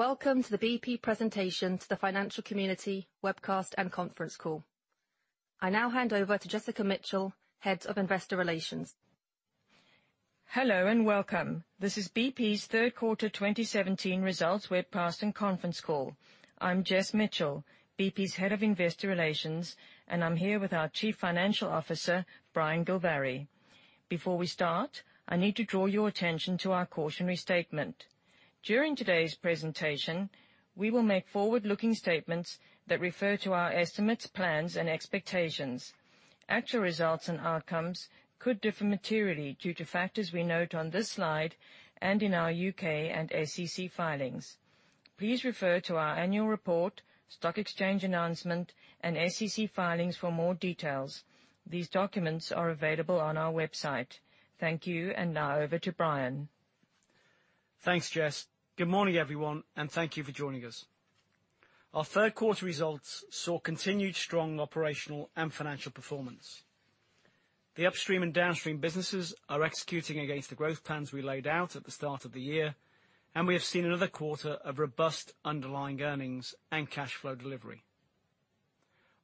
Welcome to the BP presentation to the financial community webcast and conference call. I now hand over to Jessica Mitchell, Head of Investor Relations. Hello. Welcome. This is BP's third quarter 2017 results webcast and conference call. I'm Jess Mitchell, BP's Head of Investor Relations, and I'm here with our Chief Financial Officer, Brian Gilvary. Before we start, I need to draw your attention to our cautionary statement. During today's presentation, we will make forward-looking statements that refer to our estimates, plans, and expectations. Actual results and outcomes could differ materially due to factors we note on this slide and in our U.K. and SEC filings. Please refer to our annual report, stock exchange announcement, and SEC filings for more details. These documents are available on our website. Thank you. Now over to Brian. Thanks, Jess. Good morning, everyone. Thank you for joining us. Our third quarter results saw continued strong operational and financial performance. The upstream and downstream businesses are executing against the growth plans we laid out at the start of the year, and we have seen another quarter of robust underlying earnings and cash flow delivery.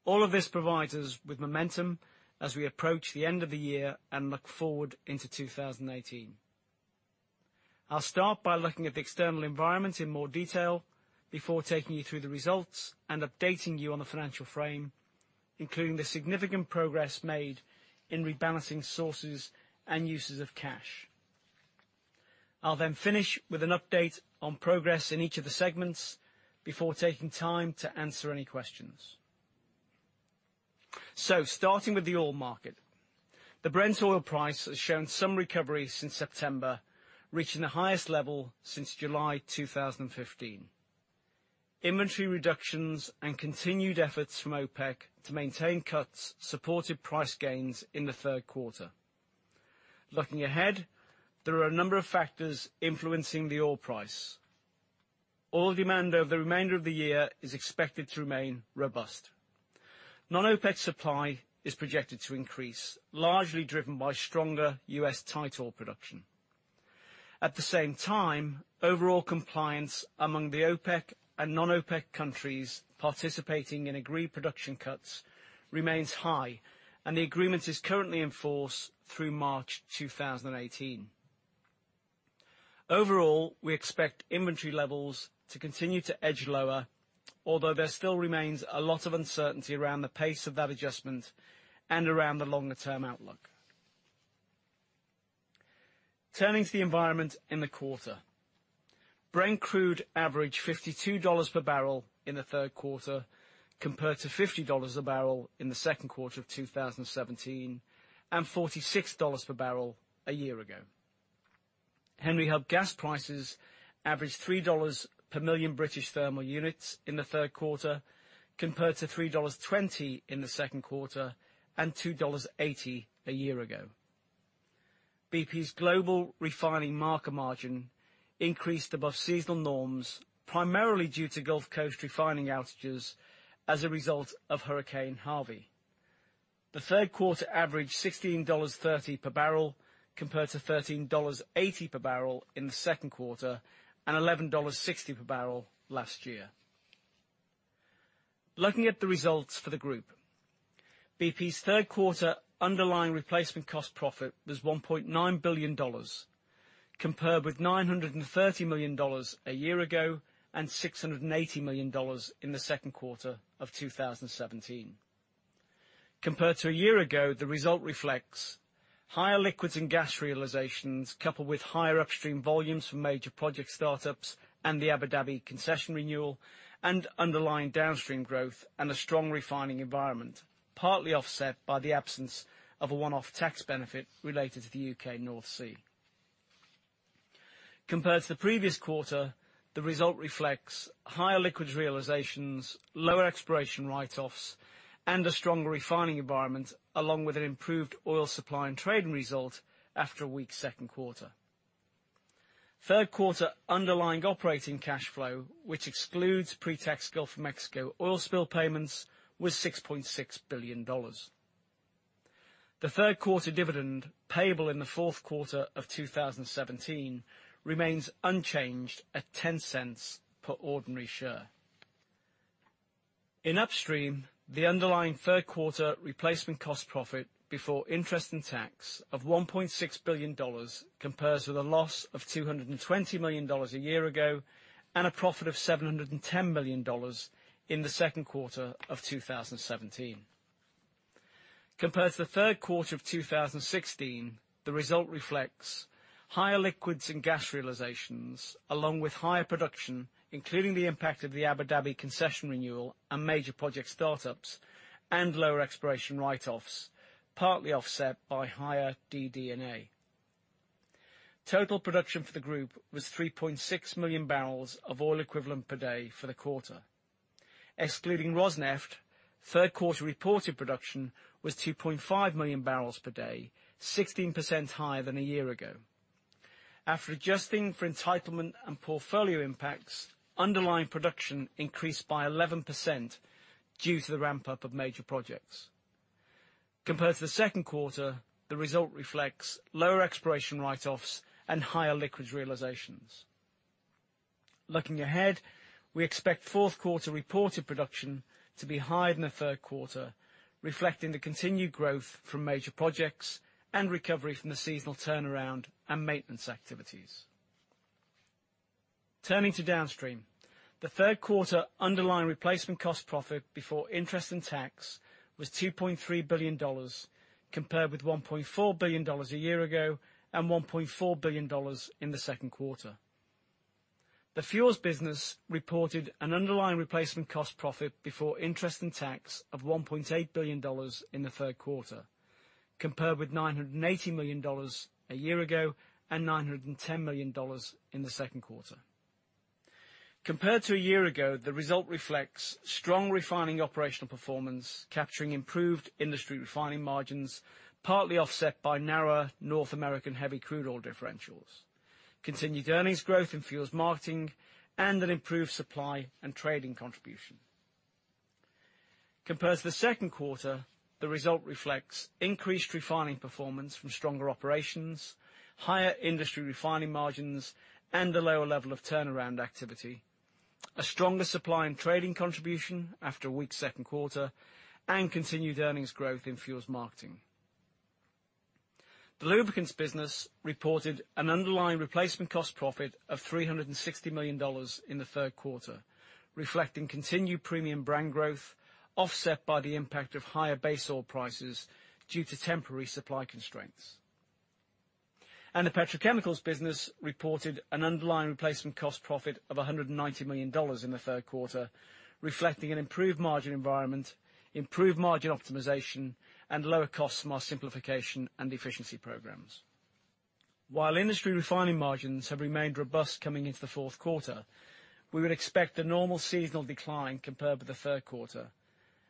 All of this provides us with momentum as we approach the end of the year and look forward into 2018. I'll start by looking at the external environment in more detail before taking you through the results and updating you on the financial frame, including the significant progress made in rebalancing sources and uses of cash. I'll then finish with an update on progress in each of the segments before taking time to answer any questions. Starting with the oil market. The Brent oil price has shown some recovery since September, reaching the highest level since July 2015. Inventory reductions and continued efforts from OPEC to maintain cuts supported price gains in the third quarter. Looking ahead, there are a number of factors influencing the oil price. Oil demand over the remainder of the year is expected to remain robust. Non-OPEC supply is projected to increase, largely driven by stronger U.S. tight oil production. At the same time, overall compliance among the OPEC and non-OPEC countries participating in agreed production cuts remains high, and the agreement is currently in force through March 2018. Overall, we expect inventory levels to continue to edge lower, although there still remains a lot of uncertainty around the pace of that adjustment and around the longer-term outlook. Turning to the environment in the quarter. Brent crude averaged $52 per barrel in the third quarter, compared to $50 a barrel in the second quarter of 2017 and $46 per barrel a year ago. Henry Hub gas prices averaged $3 per million British thermal units in the third quarter, compared to $3.20 in the second quarter and $2.80 a year ago. BP's global refining marker margin increased above seasonal norms, primarily due to Gulf Coast refining outages as a result of Hurricane Harvey. The third quarter averaged $16.30 per barrel, compared to $13.80 per barrel in the second quarter and $11.60 per barrel last year. Looking at the results for the group. BP's third quarter underlying replacement cost profit was $1.9 billion, compared with $930 million a year ago and $680 million in the second quarter of 2017. Compared to a year ago, the result reflects higher liquids and gas realizations, coupled with higher upstream volumes from major project startups and the Abu Dhabi concession renewal, and underlying downstream growth and a strong refining environment, partly offset by the absence of a one-off tax benefit related to the U.K. North Sea. Compared to the previous quarter, the result reflects higher liquids realizations, lower exploration write-offs, and a stronger refining environment, along with an improved oil supply and trading result after a weak second quarter. Third quarter underlying operating cash flow, which excludes pre-tax Gulf of Mexico oil spill payments, was $6.6 billion. The third quarter dividend payable in the fourth quarter of 2017 remains unchanged at $0.10 per ordinary share. In upstream, the underlying third quarter replacement cost profit before interest and tax of $1.6 billion compares with a loss of $220 million a year ago and a profit of $710 million in the second quarter of 2017. Compared to the third quarter of 2016, the result reflects higher liquids and gas realizations, along with higher production, including the impact of the Abu Dhabi concession renewal and major project startups, and lower exploration write-offs, partly offset by higher DD&A. Total production for the group was 3.6 million barrels of oil equivalent per day for the quarter. Excluding Rosneft, third quarter reported production was 2.5 million barrels per day, 16% higher than a year ago. After adjusting for entitlement and portfolio impacts, underlying production increased by 11% due to the ramp up of major projects. Compared to the second quarter, the result reflects lower exploration write-offs and higher liquids realizations. Looking ahead, we expect fourth quarter reported production to be higher than the third quarter, reflecting the continued growth from major projects and recovery from the seasonal turnaround and maintenance activities. Turning to downstream, the third quarter underlying replacement cost profit before interest and tax was $2.3 billion, compared with $1.4 billion a year ago and $1.4 billion in the second quarter. The fuels business reported an underlying replacement cost profit before interest and tax of $1.8 billion in the third quarter, compared with $980 million a year ago and $910 million in the second quarter. Compared to a year ago, the result reflects strong refining operational performance, capturing improved industry refining margins, partly offset by narrower North American heavy crude oil differentials, continued earnings growth in fuels marketing, and an improved supply and trading contribution. Compared to the second quarter, the result reflects increased refining performance from stronger operations, higher industry refining margins, and a lower level of turnaround activity, a stronger supply and trading contribution after a weak second quarter, and continued earnings growth in fuels marketing. The lubricants business reported an underlying replacement cost profit of $360 million in the third quarter, reflecting continued premium brand growth, offset by the impact of higher base oil prices due to temporary supply constraints. The petrochemicals business reported an underlying replacement cost profit of $190 million in the third quarter, reflecting an improved margin environment, improved margin optimization, and lower costs from our simplification and efficiency programs. While industry refining margins have remained robust coming into the fourth quarter, we would expect a normal seasonal decline compared with the third quarter,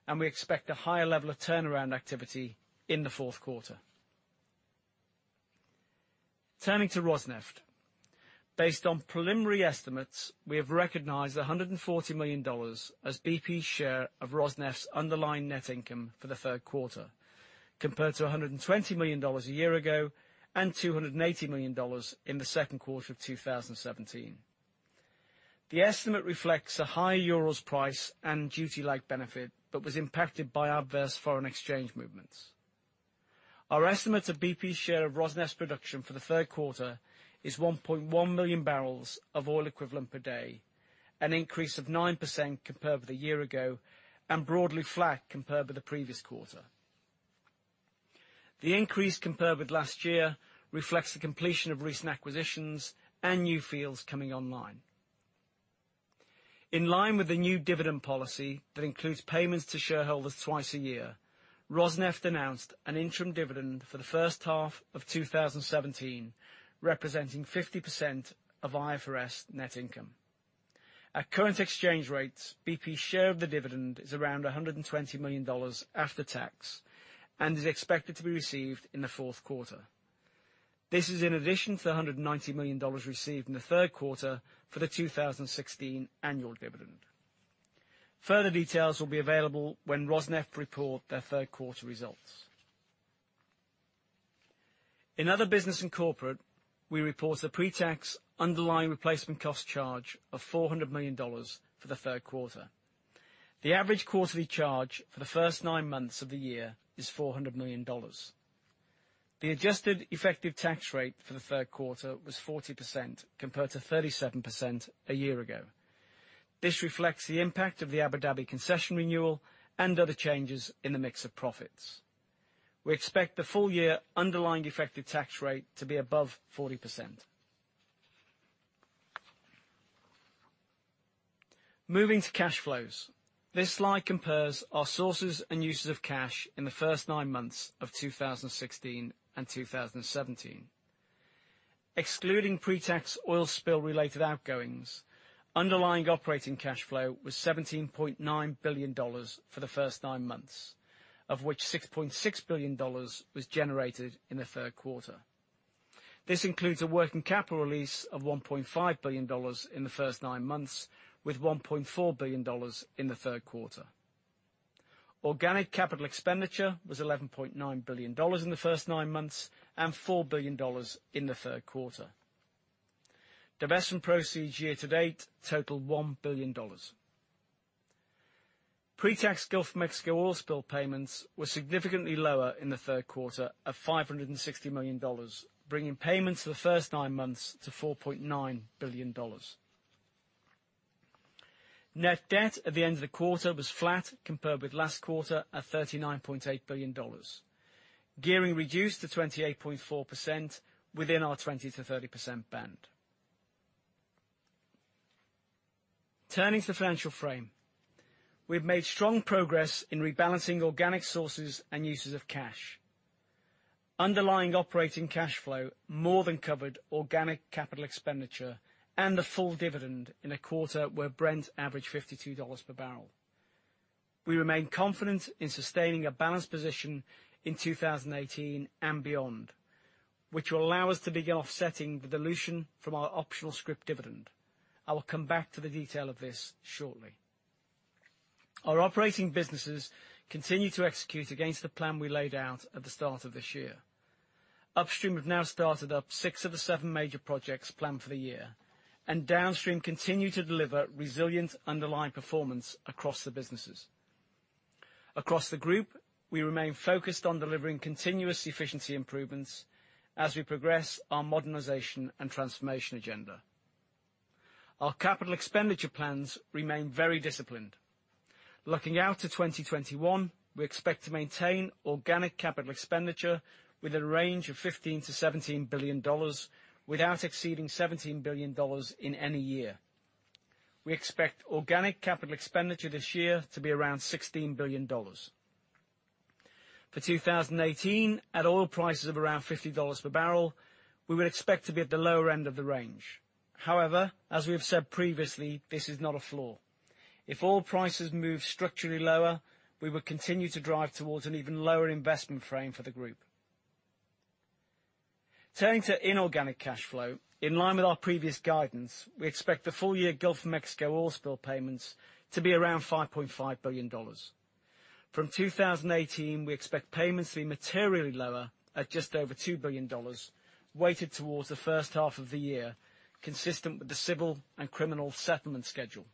and we expect a higher level of turnaround activity in the fourth quarter. Turning to Rosneft. Based on preliminary estimates, we have recognized $140 million as BP's share of Rosneft's underlying net income for the third quarter, compared to $120 million a year ago and $280 million in the second quarter of 2017. The estimate reflects a higher Urals price and duty lag benefit, but was impacted by adverse foreign exchange movements. Our estimate of BP's share of Rosneft's production for the third quarter is 1.1 million barrels of oil equivalent per day, an increase of 9% compared with a year ago, and broadly flat compared with the previous quarter. The increase compared with last year reflects the completion of recent acquisitions and new fields coming online. In line with the new dividend policy that includes payments to shareholders twice a year, Rosneft announced an interim dividend for the first half of 2017, representing 50% of IFRS net income. At current exchange rates, BP's share of the dividend is around $120 million after tax and is expected to be received in the fourth quarter. This is in addition to the $190 million received in the third quarter for the 2016 annual dividend. Further details will be available when Rosneft report their third-quarter results. In other business and corporate, we report a pre-tax underlying replacement cost charge of $400 million for the third quarter. The average quarterly charge for the first nine months of the year is $400 million. The adjusted effective tax rate for the third quarter was 40%, compared to 37% a year ago. This reflects the impact of the Abu Dhabi concession renewal and other changes in the mix of profits. We expect the full-year underlying effective tax rate to be above 40%. Moving to cash flows. This slide compares our sources and uses of cash in the first nine months of 2016 and 2017. Excluding pre-tax oil spill related outgoings, underlying operating cash flow was $17.9 billion for the first nine months, of which $6.6 billion was generated in the third quarter. This includes a working capital release of $1.5 billion in the first nine months, with $1.4 billion in the third quarter. Organic capital expenditure was $11.9 billion in the first nine months and $4 billion in the third quarter. Divestment proceeds year to date totaled $1 billion. Pre-tax Gulf of Mexico oil spill payments were significantly lower in the third quarter of $560 million, bringing payments for the first nine months to $4.9 billion. Net debt at the end of the quarter was flat compared with last quarter, at $39.8 billion. Gearing reduced to 28.4% within our 20%-30% band. Turning to the financial frame. We have made strong progress in rebalancing organic sources and uses of cash. Underlying operating cash flow more than covered organic capital expenditure and the full dividend in a quarter where Brent averaged $52 per barrel. We remain confident in sustaining a balanced position in 2018 and beyond. Which will allow us to begin offsetting the dilution from our optional scrip dividend. I will come back to the detail of this shortly. Our operating businesses continue to execute against the plan we laid out at the start of this year. Upstream have now started up six of the seven major projects planned for the year, and Downstream continue to deliver resilient underlying performance across the businesses. Across the group, we remain focused on delivering continuous efficiency improvements as we progress our modernization and transformation agenda. Our capital expenditure plans remain very disciplined. Looking out to 2021, we expect to maintain organic capital expenditure with a range of $15 billion-$17 billion, without exceeding $17 billion in any year. We expect organic capital expenditure this year to be around $16 billion. For 2018, at oil prices of around $50 per barrel, we would expect to be at the lower end of the range. However, as we have said previously, this is not a floor. If oil prices move structurally lower, we will continue to drive towards an even lower investment frame for the group. Turning to inorganic cash flow, in line with our previous guidance, we expect the full year Gulf of Mexico oil spill payments to be around $5.5 billion. From 2018, we expect payments to be materially lower at just over $2 billion, weighted towards the first half of the year, consistent with the civil and criminal settlement schedule.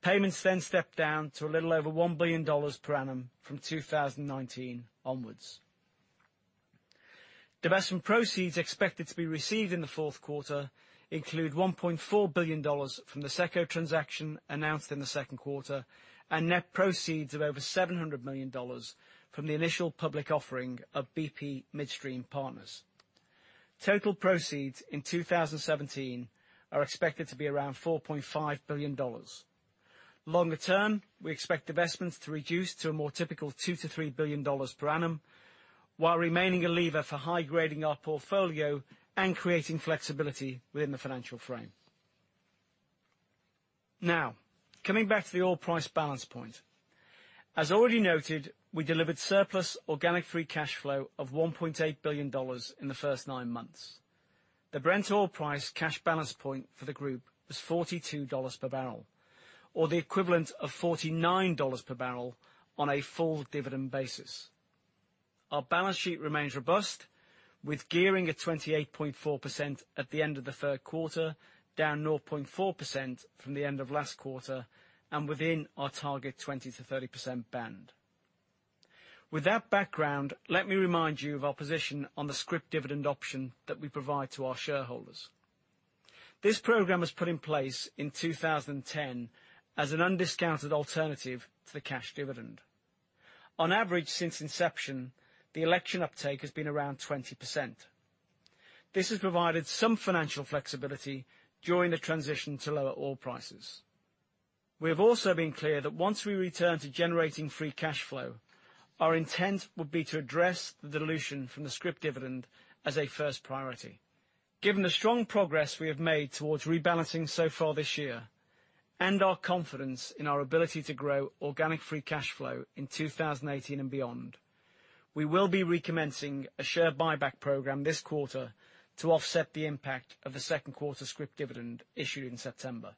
Payments step down to a little over $1 billion per annum from 2019 onwards. Divestment proceeds expected to be received in the fourth quarter include $1.4 billion from the SECCO transaction announced in the second quarter, and net proceeds of over $700 million from the initial public offering of BP Midstream Partners. Total proceeds in 2017 are expected to be around $4.5 billion. Longer term, we expect divestments to reduce to a more typical $2 billion-$3 billion per annum, while remaining a lever for high-grading our portfolio and creating flexibility within the financial frame. Now, coming back to the oil price balance point. As already noted, we delivered surplus organic free cash flow of $1.8 billion in the first nine months. The Brent oil price cash balance point for the group was $42 per barrel, or the equivalent of $49 per barrel on a full dividend basis. Our balance sheet remains robust, with gearing at 28.4% at the end of the third quarter, down 0.4% from the end of last quarter, and within our target 20%-30% band. With that background, let me remind you of our position on the scrip dividend option that we provide to our shareholders. This program was put in place in 2010 as an undiscounted alternative to the cash dividend. On average, since inception, the election uptake has been around 20%. This has provided some financial flexibility during the transition to lower oil prices. We have also been clear that once we return to generating free cash flow, our intent would be to address the dilution from the scrip dividend as a first priority. Given the strong progress we have made towards rebalancing so far this year, our confidence in our ability to grow organic free cash flow in 2018 and beyond, we will be recommencing a share buyback program this quarter to offset the impact of the second quarter scrip dividend issued in September.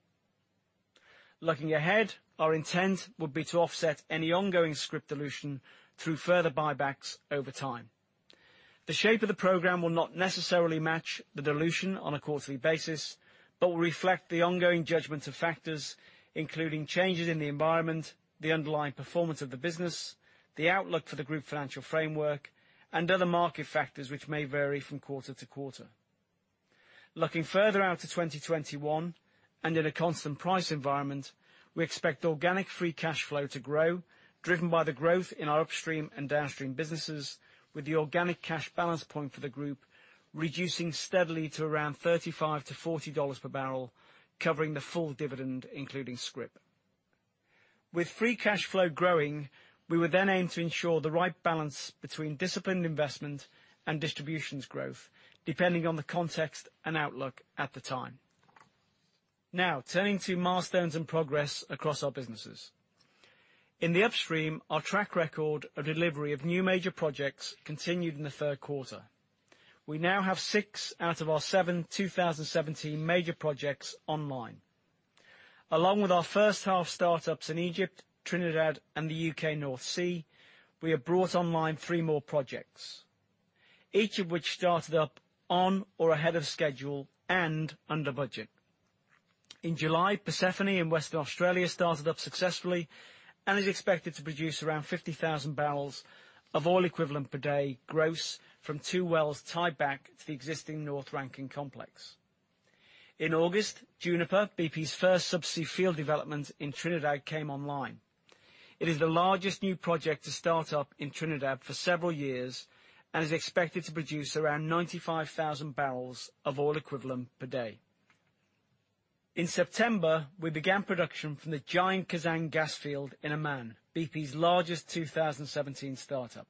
Looking ahead, our intent would be to offset any ongoing scrip dilution through further buybacks over time. The shape of the program will not necessarily match the dilution on a quarterly basis, but will reflect the ongoing judgment of factors, including changes in the environment, the underlying performance of the business, the outlook for the group financial framework, and other market factors which may vary from quarter to quarter. Looking further out to 2021, in a constant price environment, we expect organic free cash flow to grow, driven by the growth in our Upstream and Downstream businesses, with the organic cash balance point for the group reducing steadily to around $35-$40 per barrel, covering the full dividend, including scrip. With free cash flow growing, we would then aim to ensure the right balance between disciplined investment and distributions growth, depending on the context and outlook at the time. Turning to milestones and progress across our businesses. In the Upstream, our track record of delivery of new major projects continued in the third quarter. We now have six out of our seven 2017 major projects online. Along with our first half startups in Egypt, Trinidad, and the U.K. North Sea, we have brought online three more projects, each of which started up on or ahead of schedule and under budget. In July, Persephone in Western Australia started up successfully and is expected to produce around 50,000 barrels of oil equivalent per day gross from two wells tied back to the existing North Rankin Complex. In August, Juniper, BP's first subsea field development in Trinidad, came online. It is the largest new project to start up in Trinidad for several years and is expected to produce around 95,000 barrels of oil equivalent per day. In September, we began production from the giant Khazzan gas field in Oman, BP's largest 2017 startup.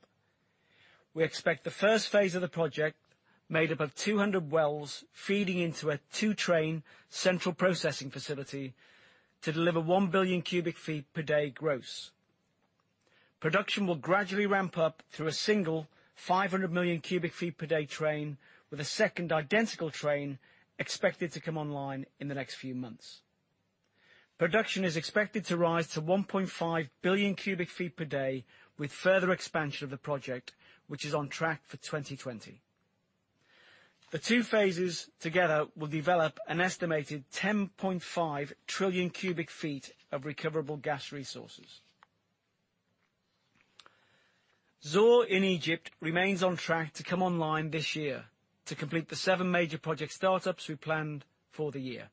We expect the first phase of the project, made up of 200 wells feeding into a two-train central processing facility, to deliver 1 billion cubic feet per day gross. Production will gradually ramp up through a single 500 million cubic feet per day train, with a second identical train expected to come online in the next few months. Production is expected to rise to 1.5 billion cubic feet per day, with further expansion of the project, which is on track for 2020. The two phases together will develop an estimated 10.5 trillion cubic feet of recoverable gas resources. Zohr in Egypt remains on track to come online this year to complete the seven major project startups we planned for the year.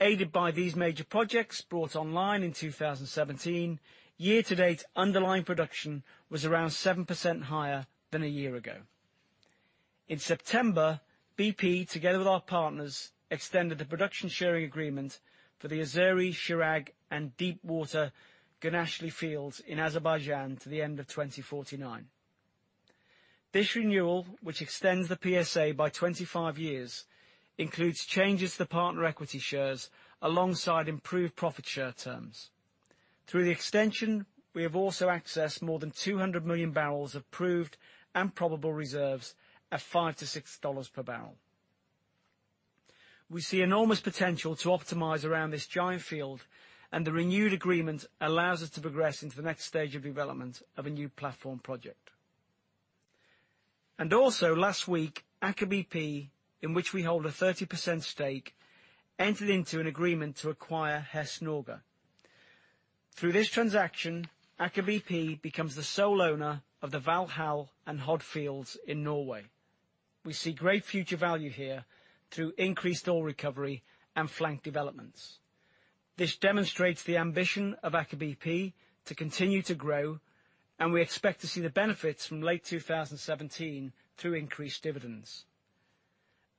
Aided by these major projects brought online in 2017, year-to-date underlying production was around 7% higher than a year ago. In September, BP, together with our partners, extended the production sharing agreement for the Azeri-Chirag and deepwater Gunashli fields in Azerbaijan to the end of 2049. This renewal, which extends the PSA by 25 years, includes changes to the partner equity shares alongside improved profit share terms. Through the extension, we have also accessed more than 200 million barrels of proved and probable reserves at $5 to $6 per barrel. We see enormous potential to optimize around this giant field, and the renewed agreement allows us to progress into the next stage of development of a new platform project. Last week, Aker BP, in which we hold a 30% stake, entered into an agreement to acquire Hess Norge. Through this transaction, Aker BP becomes the sole owner of the Valhall and Hod fields in Norway. We see great future value here through increased oil recovery and flank developments. This demonstrates the ambition of Aker BP to continue to grow, and we expect to see the benefits from late 2017 through increased dividends.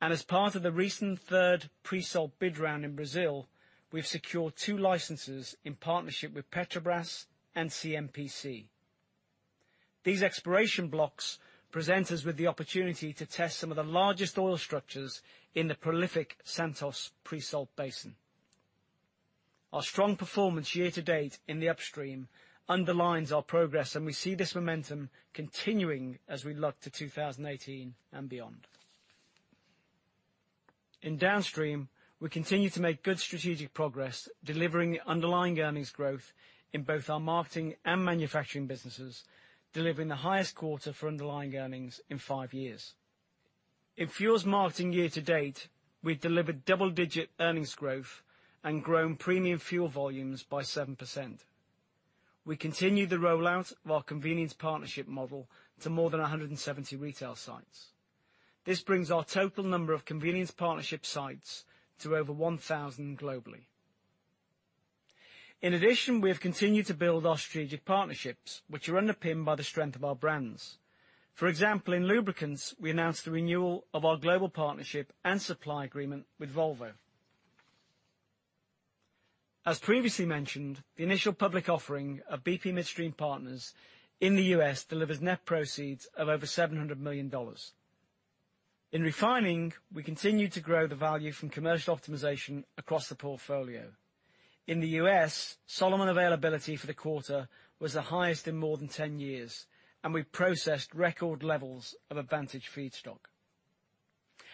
As part of the recent third pre-salt bid round in Brazil, we've secured two licenses in partnership with Petrobras and CNPC. These exploration blocks present us with the opportunity to test some of the largest oil structures in the prolific Santos pre-salt basin. Our strong performance year-to-date in the Upstream underlines our progress, and we see this momentum continuing as we look to 2018 and beyond. In Downstream, we continue to make good strategic progress, delivering underlying earnings growth in both our marketing and manufacturing businesses, delivering the highest quarter for underlying earnings in five years. In fuels marketing year-to-date, we've delivered double-digit earnings growth and grown premium fuel volumes by 7%. We continue the rollout of our convenience partnership model to more than 170 retail sites. This brings our total number of convenience partnership sites to over 1,000 globally. In addition, we have continued to build our strategic partnerships, which are underpinned by the strength of our brands. For example, in lubricants, we announced the renewal of our global partnership and supply agreement with Volvo. As previously mentioned, the initial public offering of BP Midstream Partners in the U.S. delivers net proceeds of over $700 million. In refining, we continue to grow the value from commercial optimization across the portfolio. In the U.S., Solomon availability for the quarter was the highest in more than 10 years, and we processed record levels of advantage feedstock.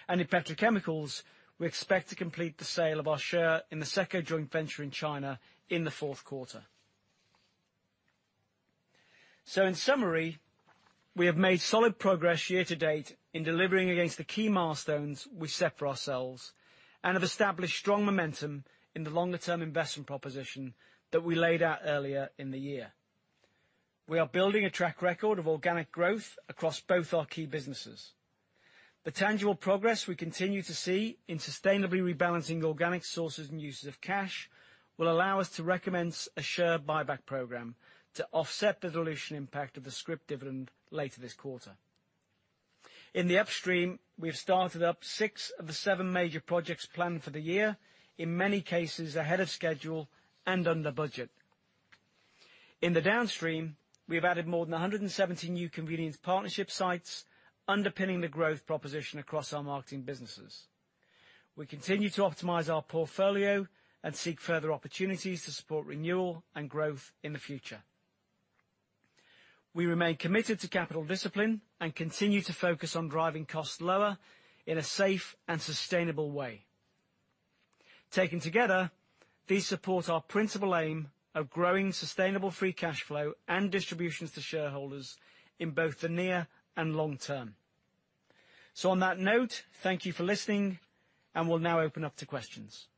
In petrochemicals, we expect to complete the sale of our share in the second joint venture in China in the fourth quarter. In summary, we have made solid progress year-to-date in delivering against the key milestones we set for ourselves and have established strong momentum in the longer-term investment proposition that we laid out earlier in the year. We are building a track record of organic growth across both our key businesses. The tangible progress we continue to see in sustainably rebalancing organic sources and uses of cash will allow us to recommend a share buyback program to offset the dilution impact of the scrip dividend later this quarter. In the Upstream, we have started up six of the seven major projects planned for the year, in many cases ahead of schedule and under budget. In the Downstream, we have added more than 170 new convenience partnership sites, underpinning the growth proposition across our marketing businesses. We continue to optimize our portfolio and seek further opportunities to support renewal and growth in the future. We remain committed to capital discipline and continue to focus on driving costs lower in a safe and sustainable way. Taken together, these support our principal aim of growing sustainable free cash flow and distributions to shareholders in both the near and long term. On that note, thank you for listening, and we'll now open up to questions.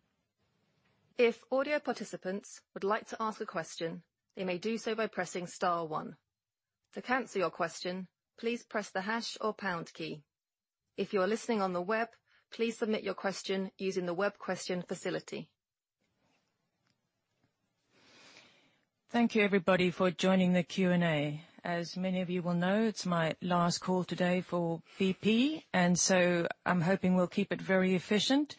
If audio participants would like to ask a question, they may do so by pressing star one. To cancel your question, please press the hash or pound key. If you are listening on the web, please submit your question using the web question facility. Thank you, everybody, for joining the Q&A. As many of you will know, it's my last call today for BP, and so I'm hoping we'll keep it very efficient.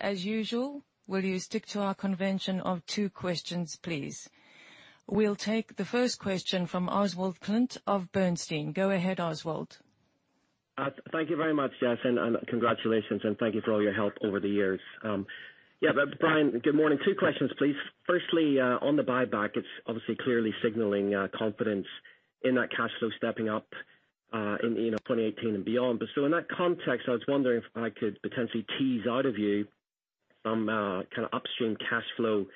As usual, will you stick to our convention of two questions, please? We'll take the first question from Oswald Clint of Bernstein. Go ahead, Oswald. Thank you very much, Jess, and congratulations, and thank you for all your help over the years. Yeah. Brian, good morning. Two questions, please. In that context, I was wondering if I could potentially tease out of you some kind of upstream cash flow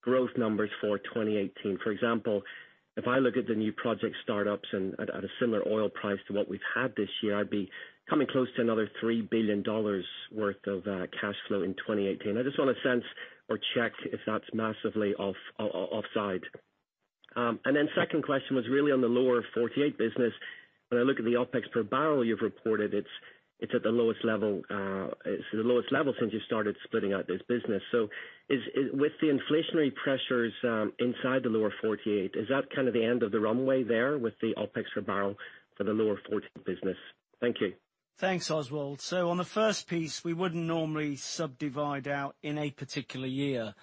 growth numbers for 2018 and beyond. For example, if I look at the new project startups and at a similar oil price to what we've had this year, I'd be coming close to another $3 billion worth of cash flow in 2018. I just want a sense or check if that's massively offside. Second question was really on the Lower 48 Business. When I look at the OpEx per barrel you've reported, it's at the lowest level since you started splitting out this business. With the inflationary pressures inside the Lower 48, is that kind of the end of the runway there with the OpEx per barrel for the Lower 48 business? Thank you. Thanks, Oswald. On the first piece, we wouldn't normally subdivide out in a particular year,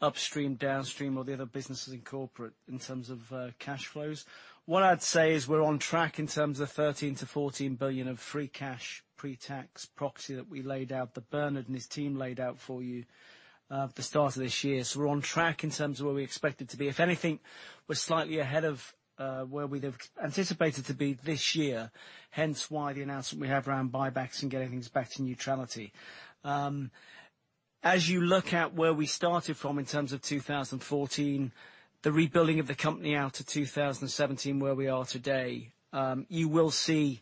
upstream, downstream, or the other businesses in corporate in terms of cash flows. What I'd say is we're on track in terms of $13 billion-$14 billion of free cash pre-tax proxy that we laid out, that Bernard and his team laid out for you at the start of this year. We're on track in terms of where we expect it to be. If anything, we're slightly ahead of where we'd have anticipated to be this year, hence why the announcement we have around buybacks and getting things back to neutrality. As you look at where we started from in terms of 2014, the rebuilding of the company out to 2017, where we are today, you will see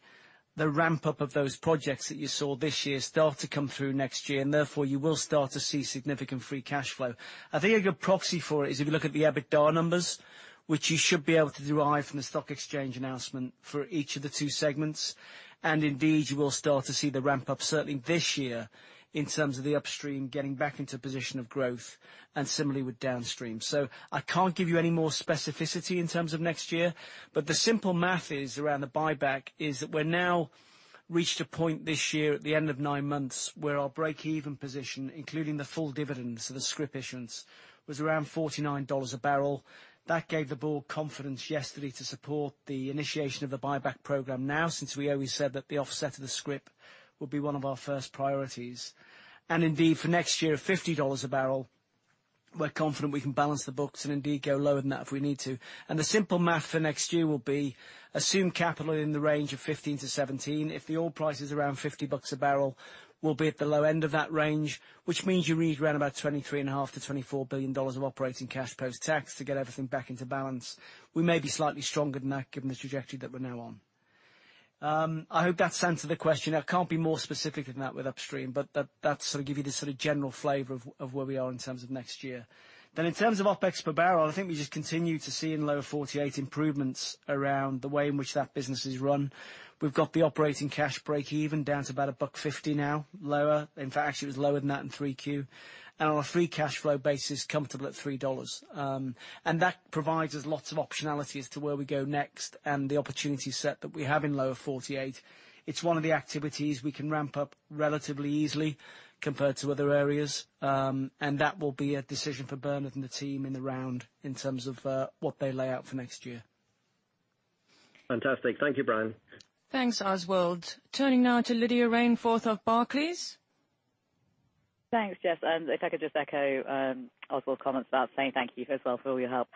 the ramp-up of those projects that you saw this year start to come through next year, and therefore you will start to see significant free cash flow. I think a good proxy for it is if you look at the EBITDA numbers, which you should be able to derive from the stock exchange announcement for each of the two segments. Indeed, you will start to see the ramp-up certainly this year in terms of the upstream getting back into a position of growth, and similarly with downstream. I can't give you any more specificity in terms of next year, the simple math is, around the buyback, is that we've now reached a point this year at the end of nine months where our breakeven position, including the full dividends of the scrip issuance, was around $49 a barrel. That gave the board confidence yesterday to support the initiation of the buyback program now, since we always said that the offset of the scrip would be one of our first priorities. Indeed, for next year, at $50 a barrel, we're confident we can balance the books and indeed go lower than that if we need to. The simple math for next year will be assume capital in the range of 15 to 17. If the oil price is around 50 bucks a barrel, we'll be at the low end of that range, which means you read around about $23.5 billion-$24 billion of operating cash post-tax to get everything back into balance. We may be slightly stronger than that given the trajectory that we're now on. I hope that's answered the question. I can't be more specific than that with upstream, but that sort of gives you the sort of general flavor of where we are in terms of next year. In terms of OpEx per barrel, I think we just continue to see in Lower 48 improvements around the way in which that business is run. We've got the operating cash breakeven down to about $1.50 now, lower. In fact, she was lower than that in Q3. On a free cash flow basis, comfortable at $3. That provides us lots of optionality as to where we go next and the opportunity set that we have in Lower 48. It's one of the activities we can ramp up relatively easily compared to other areas. That will be a decision for Bernard and the team in the round in terms of what they lay out for next year. Fantastic. Thank you, Brian. Thanks, Oswald. Turning now to Lydia Rainforth of Barclays. Thanks, Jess. If I could just echo Oswald's comments about saying thank you as well for all your help.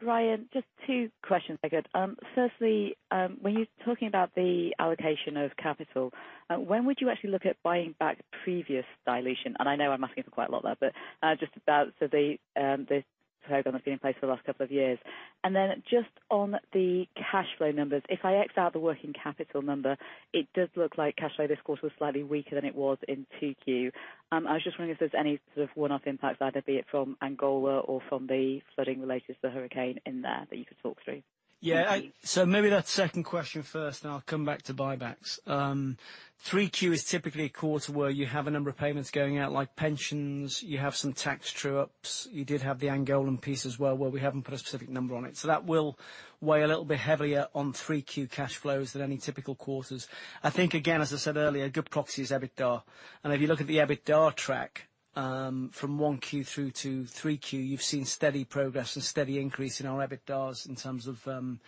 Brian, just two questions if I could. Firstly, when you're talking about the allocation of capital, when would you actually look at buying back previous dilution? I know I'm asking for quite a lot there, but just about this program that's been in place for the last couple of years. Then just on the cash flow numbers, if I X out the working capital number, it does look like cash flow this quarter was slightly weaker than it was in Q2. I was just wondering if there's any sort of one-off impacts either be it from Angola or from the flooding related to Hurricane Harvey in there that you could talk through. Maybe that second question first, I'll come back to buybacks. Q3 is typically a quarter where you have a number of payments going out like pensions, you have some tax true-ups. You did have the Angolan piece as well, where we haven't put a specific number on it. That will weigh a little bit heavier on Q3 cash flows than any typical quarters. I think, again, as I said earlier, a good proxy is EBITDA. If you look at the EBITDA track from Q1 through to Q3, you've seen steady progress and steady increase in our EBITDAs.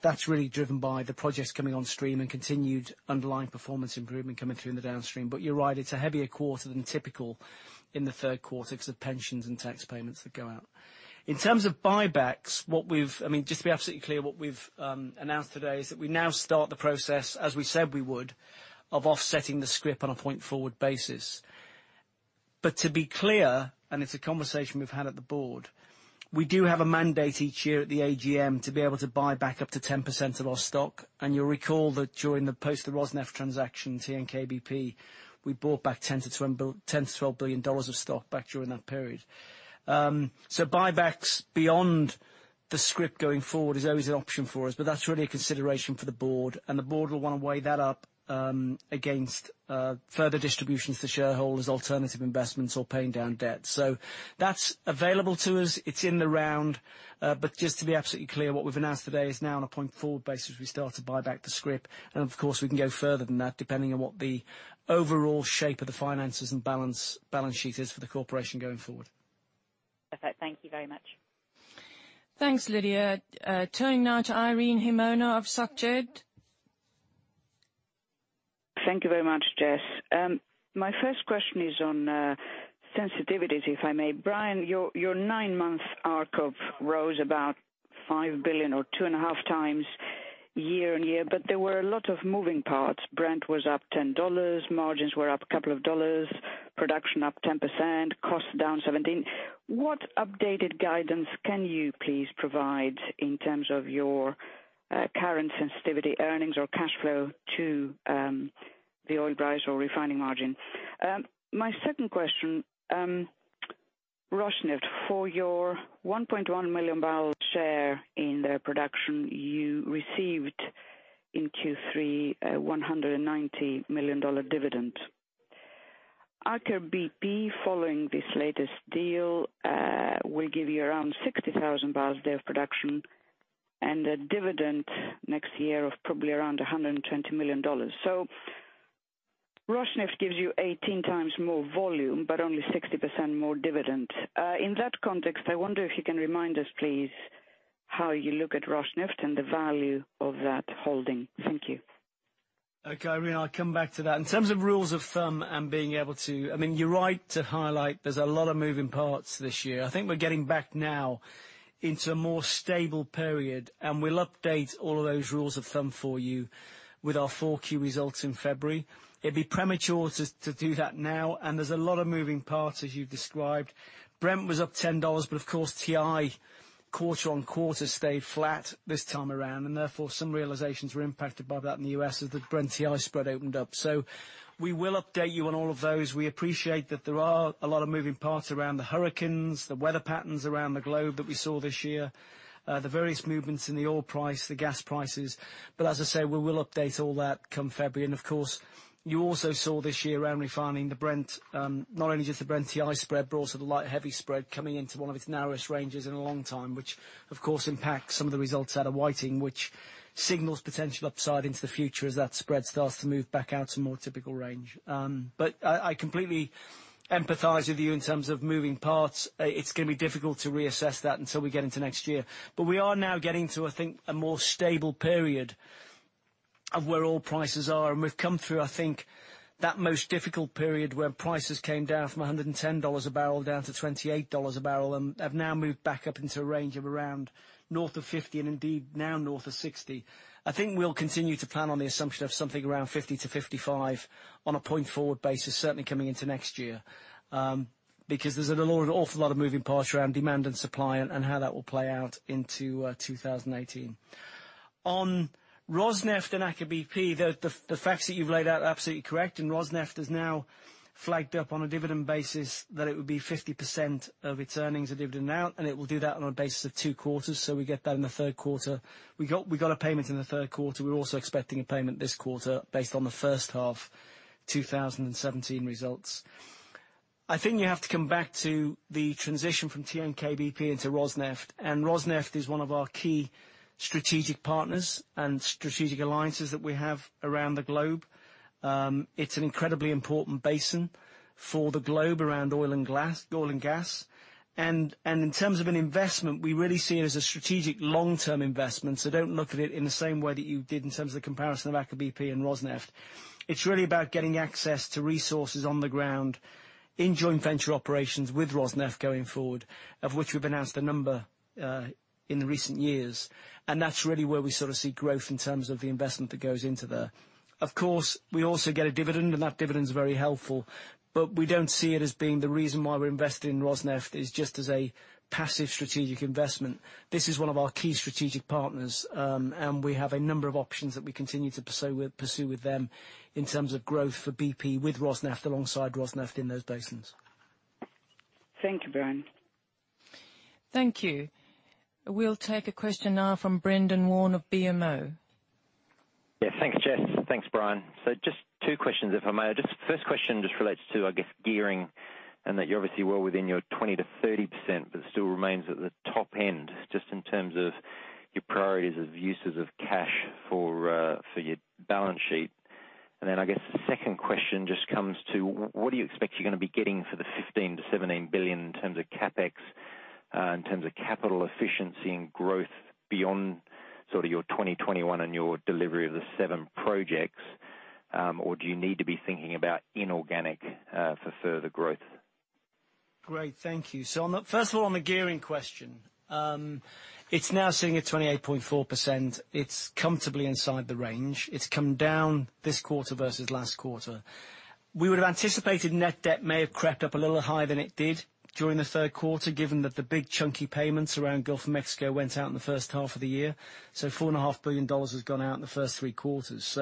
That's really driven by the projects coming on stream and continued underlying performance improvement coming through in the downstream. You're right, it's a heavier quarter than typical in the third quarter because of pensions and tax payments that go out. In terms of buybacks, just to be absolutely clear, what we've announced today is that we now start the process, as we said we would, of offsetting the scrip on a point-forward basis. To be clear, it's a conversation we've had at the board, we do have a mandate each year at the AGM to be able to buy back up to 10% of our stock. You'll recall that during the post the Rosneft transaction TNK-BP, we bought back $10 billion-$12 billion of stock back during that period. Buybacks beyond the scrip going forward is always an option for us, that's really a consideration for the board, the board will want to weigh that up against further distributions to shareholders, alternative investments, or paying down debt. That's available to us. It's in the round. Just to be absolutely clear, what we've announced today is now on a point-forward basis, we start to buy back the scrip. Of course, we can go further than that, depending on what the overall shape of the finances and balance sheet is for the corporation going forward. Perfect. Thank you very much. Thanks, Lydia. Turning now to Irene Himona of Société Générale. Thank you very much, Jess. My first question is on sensitivities, if I may. Brian, your nine-month arc of, rose about $5 billion or two and a half times year-on-year, but there were a lot of moving parts. Brent was up $10, margins were up a couple of dollars, production up 10%, costs down 17%. What updated guidance can you please provide in terms of your current sensitivity earnings or cash flow to the oil price or refining margin? My second question, Rosneft. For your 1.1 million barrels share in their production you received in Q3 a $190 million dividend. Aker BP, following this latest deal, will give you around 60,000 barrels a day of production and a dividend next year of probably around $120 million. Rosneft gives you 18 times more volume, but only 60% more dividend. In that context, I wonder if you can remind us, please, how you look at Rosneft and the value of that holding. Thank you. Okay, Irene, I'll come back to that. In terms of rules of thumb. You're right to highlight there's a lot of moving parts this year. I think we're getting back now into a more stable period, we'll update all of those rules of thumb for you with our 4Q results in February. It'd be premature to do that now, there's a lot of moving parts, as you've described. Brent was up $10, of course, TI quarter-on-quarter stayed flat this time around, therefore, some realizations were impacted by that in the U.S. as the Brent TI spread opened up. We will update you on all of those. We appreciate that there are a lot of moving parts around the hurricanes, the weather patterns around the globe that we saw this year, the various movements in the oil price, the gas prices. As I say, we will update all that come February. Of course, you also saw this year around refining the Brent, not only just the Brent TI spread, but also the light heavy spread coming into one of its narrowest ranges in a long time, which of course, impacts some of the results out of Whiting, which signals potential upside into the future as that spread starts to move back out to more typical range. I completely empathize with you in terms of moving parts. It's going to be difficult to reassess that until we get into next year. We are now getting to, I think, a more stable period of where oil prices are. We've come through, I think, that most difficult period where prices came down from $110 a barrel down to $28 a barrel, have now moved back up into a range of around north of $50, indeed now north of $60. I think we'll continue to plan on the assumption of something around $50-$55 on a point-forward basis, certainly coming into next year. There's an awful lot of moving parts around demand and supply and how that will play out into 2018. On Rosneft and Aker BP, the facts that you've laid out are absolutely correct. Rosneft has now flagged up on a dividend basis that it would be 50% of its earnings dividend out, it will do that on a basis of two quarters. We get that in the third quarter. We got a payment in the third quarter. We're also expecting a payment this quarter based on the first half 2017 results. I think you have to come back to the transition from TNK-BP into Rosneft. Rosneft is one of our key strategic partners and strategic alliances that we have around the globe. It's an incredibly important basin for the globe around oil and gas. In terms of an investment, we really see it as a strategic long-term investment. Don't look at it in the same way that you did in terms of the comparison of Aker BP and Rosneft. It's really about getting access to resources on the ground in joint venture operations with Rosneft going forward, of which we've announced a number in the recent years. That's really where we sort of see growth in terms of the investment that goes into there. Of course, we also get a dividend, and that dividend is very helpful. We don't see it as being the reason why we're investing in Rosneft is just as a passive strategic investment. This is one of our key strategic partners, and we have a number of options that we continue to pursue with them in terms of growth for BP with Rosneft alongside Rosneft in those basins. Thank you, Brian. Thank you. We'll take a question now from Brendan Warn of BMO. Thanks, Jess. Thanks, Brian. Just two questions, if I may. First question just relates to, I guess, gearing and that you're obviously well within your 20%-30%, but it still remains at the top end just in terms of your priorities of uses of cash for your balance sheet. I guess the second question just comes to, what do you expect you're going to be getting for the $15 billion-$17 billion in terms of CapEx, in terms of capital efficiency and growth beyond sort of your 2021 and your delivery of the seven projects? Do you need to be thinking about inorganic for further growth? Great. Thank you. First of all, on the gearing question. It's now sitting at 28.4%. It's comfortably inside the range. It's come down this quarter versus last quarter. We would have anticipated net debt may have crept up a little higher than it did during the third quarter, given that the big chunky payments around Gulf of Mexico went out in the first half of the year. $4.5 billion has gone out in the first three quarters.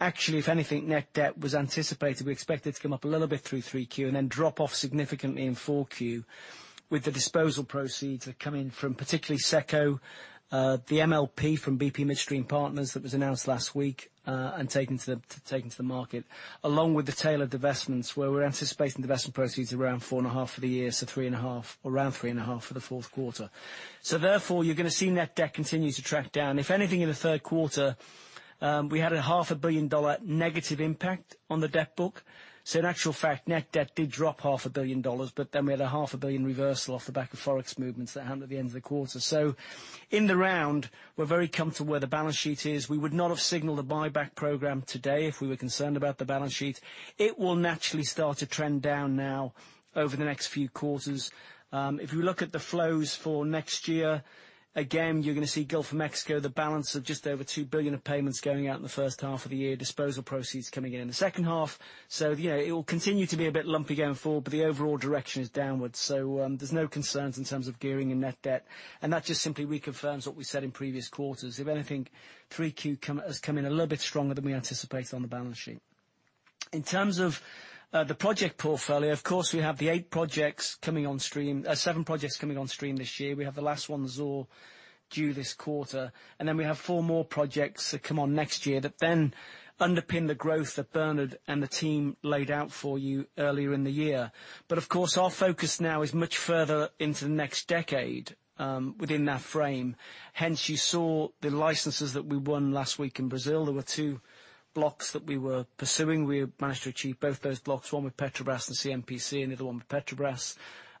Actually, if anything, net debt was anticipated. We expect it to come up a little bit through 3Q and then drop off significantly in 4Q with the disposal proceeds that come in from particularly SECCO, the MLP from BP Midstream Partners that was announced last week and taken to the market, along with the tail of divestments where we're anticipating divestment proceeds around $4.5 billion for the year, around $3.5 billion for the fourth quarter. Therefore, you're going to see net debt continue to track down. If anything in the third quarter, we had a half a billion dollar negative impact on the debt book. In actual fact, net debt did drop half a billion dollars, but then we had a half a billion dollars reversal off the back of Forex movements that happened at the end of the quarter. In the round, we're very comfortable where the balance sheet is. We would not have signaled a buyback program today if we were concerned about the balance sheet. It will naturally start to trend down now over the next few quarters. If you look at the flows for next year, again, you're going to see Gulf of Mexico, the balance of just over $2 billion of payments going out in the first half of the year, disposal proceeds coming in in the second half. It will continue to be a bit lumpy going forward, but the overall direction is downwards. There's no concerns in terms of gearing and net debt, and that just simply reconfirms what we said in previous quarters. If anything, 3Q has come in a little bit stronger than we anticipated on the balance sheet. In terms of the project portfolio, of course, we have seven projects coming on stream this year. We have the last one, Zohr, due this quarter. Then we have four more projects that come on next year that then underpin the growth that Bernard and the team laid out for you earlier in the year. Of course, our focus now is much further into the next decade within that frame. Hence, you saw the licenses that we won last week in Brazil. There were two blocks that we were pursuing. We have managed to achieve both those blocks, one with Petrobras and CNPC, and the other one with Petrobras.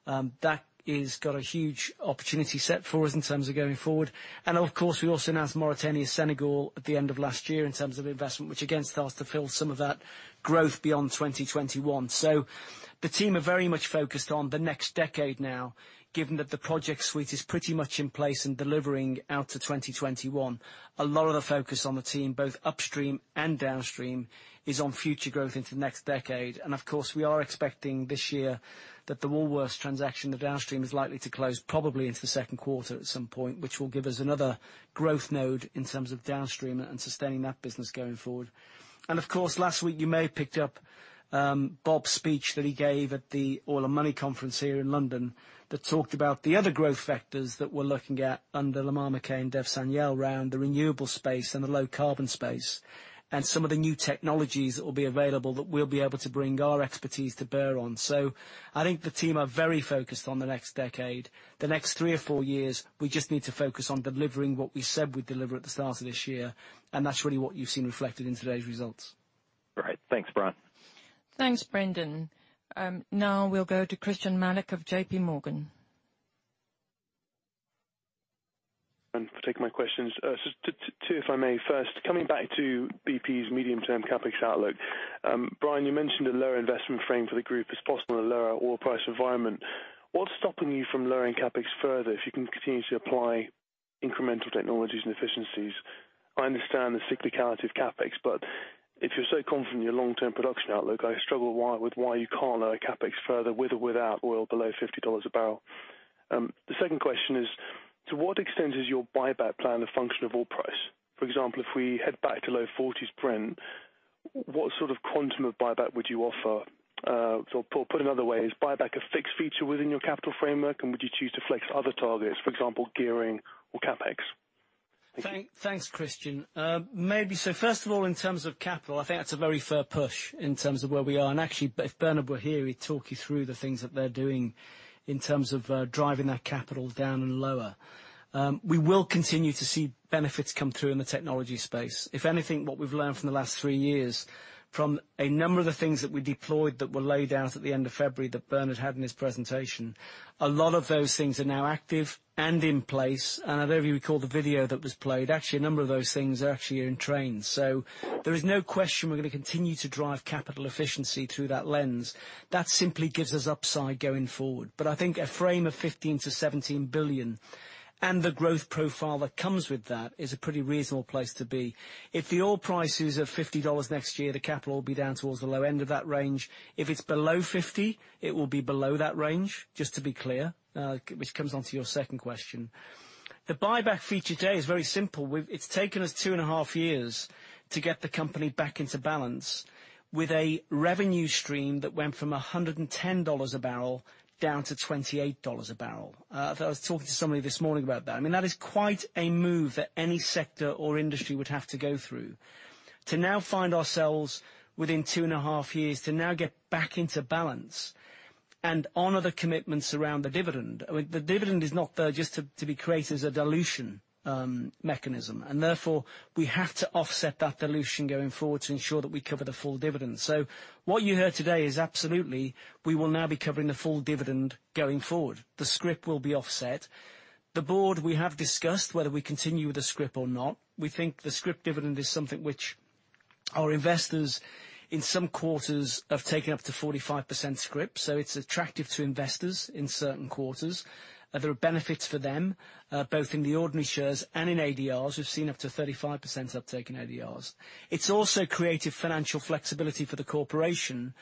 That has got a huge opportunity set for us in terms of going forward. Of course, we also announced Mauritania-Senegal at the end of last year in terms of investment, which again starts to fill some of that growth beyond 2021. The team are very much focused on the next decade now, given that the project suite is pretty much in place and delivering out to 2021. A lot of the focus on the team, both upstream and downstream, is on future growth into the next decade. Of course, we are expecting this year that the Woolworths transaction, the downstream is likely to close probably into the second quarter at some point, which will give us another growth node in terms of downstream and sustaining that business going forward. Of course, last week you may have picked up Bob's speech that he gave at the Oil & Money conference here in London that talked about the other growth vectors that we're looking at under Lamar McKay and Dev Sanyal around the renewable space and the low carbon space, and some of the new technologies that will be available that we'll be able to bring our expertise to bear on. I think the team are very focused on the next decade. The next three or four years, we just need to focus on delivering what we said we'd deliver at the start of this year, and that's really what you've seen reflected in today's results. Right. Thanks, Brian. Thanks, Brendan. Now we'll go to Christyan Malek of JPMorgan. For taking my questions. Two, if I may. First, coming back to BP's medium-term CapEx outlook. Brian, you mentioned a lower investment frame for the group is possible in a lower oil price environment. What's stopping you from lowering CapEx further if you can continue to apply incremental technologies and efficiencies? I understand the cyclicality of CapEx, but if you're so confident in your long-term production outlook, I struggle with why you can't lower CapEx further with or without oil below $50 a barrel. The second question is, to what extent is your buyback plan a function of oil price? For example, if we head back to low 40s Brent, what sort of quantum of buyback would you offer? Or put another way, is buyback a fixed feature within your capital framework, and would you choose to flex other targets, for example, gearing or CapEx? Thanks, Christyan. Maybe first of all, in terms of capital, I think that's a very fair push in terms of where we are. Actually, if Bernard were here, he'd talk you through the things that they're doing in terms of driving that capital down and lower. We will continue to see benefits come through in the technology space. If anything, what we've learned from the last three years, from a number of the things that we deployed that were laid out at the end of February that Bernard had in his presentation, a lot of those things are now active and in place. I don't know if you recall the video that was played. Actually, a number of those things are actually in train. There is no question we're going to continue to drive capital efficiency through that lens. That simply gives us upside going forward. I think a frame of $15 billion-$17 billion and the growth profile that comes with that is a pretty reasonable place to be. If the oil price is at $50 next year, the capital will be down towards the low end of that range. If it's below 50, it will be below that range, just to be clear, which comes onto your second question. The buyback feature today is very simple. It's taken us two and a half years to get the company back into balance with a revenue stream that went from $110 a barrel down to $28 a barrel. I mean, that is quite a move that any sector or industry would have to go through. To now find ourselves within two and a half years, to now get back into balance and honor the commitments around the dividend. The dividend is not there just to be created as a dilution mechanism. Therefore, we have to offset that dilution going forward to ensure that we cover the full dividend. What you heard today is absolutely we will now be covering the full dividend going forward. The scrip will be offset. The board, we have discussed whether we continue with the scrip or not. We think the scrip dividend is something which our investors in some quarters have taken up to 45% scrip. It's attractive to investors in certain quarters. There are benefits for them, both in the ordinary shares and in ADRs. We've seen up to 35% uptake in ADRs. It's also created financial flexibility for the corporation.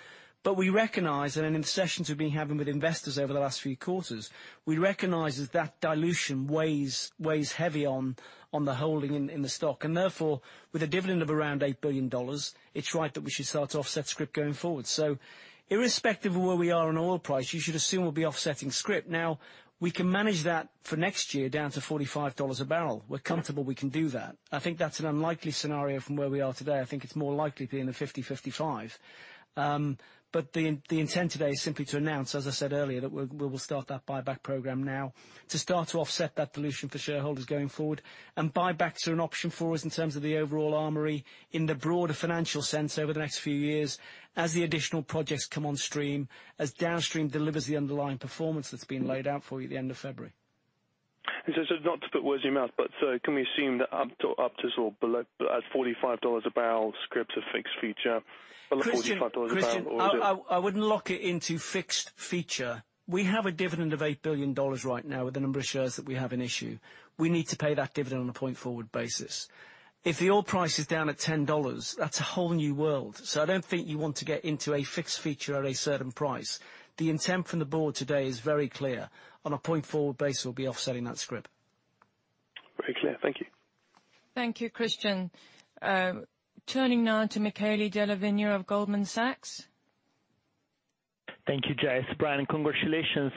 We recognize, and in sessions we've been having with investors over the last few quarters, we recognize that that dilution weighs heavy on the holding in the stock. Therefore, with a dividend of around $8 billion, it's right that we should start to offset scrip going forward. Irrespective of where we are on oil price, you should assume we'll be offsetting scrip. We can manage that for next year down to $45 a barrel. We're comfortable we can do that. I think that's an unlikely scenario from where we are today. I think it's more likely to be in the $50-$55. The intent today is simply to announce, as I said earlier, that we will start that buyback program now to start to offset that dilution for shareholders going forward. Buybacks are an option for us in terms of the overall armory in the broader financial sense over the next few years as the additional projects come on stream, as downstream delivers the underlying performance that's been laid out for you at the end of February. Not to put words in your mouth, but can we assume that up to, or below at $45 a barrel scrip's a fixed feature? Christian- Below $45 a barrel oil. I wouldn't lock it into fixed feature. We have a dividend of $8 billion right now with the number of shares that we have in issue. We need to pay that dividend on a point-forward basis. If the oil price is down at $10, that's a whole new world. I don't think you want to get into a fixed feature at a certain price. The intent from the board today is very clear. On a point-forward basis, we'll be offsetting that scrip. Very clear. Thank you. Thank you, Christyan. Turning now to Michele Della Vigna of Goldman Sachs. Thank you, Jess. Brian, congratulations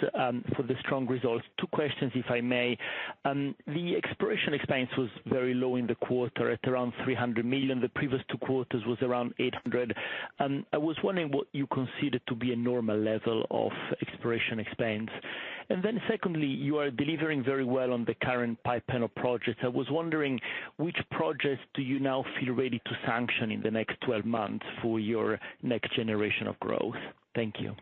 for the strong results. Two questions, if I may. The exploration expense was very low in the quarter, at around $300 million. The previous two quarters was around $800 million. I was wondering what you consider to be a normal level of exploration expense. Secondly, you are delivering very well on the current pipeline of projects. I was wondering which projects do you now feel ready to sanction in the next 12 months for your next generation of growth? Thank you.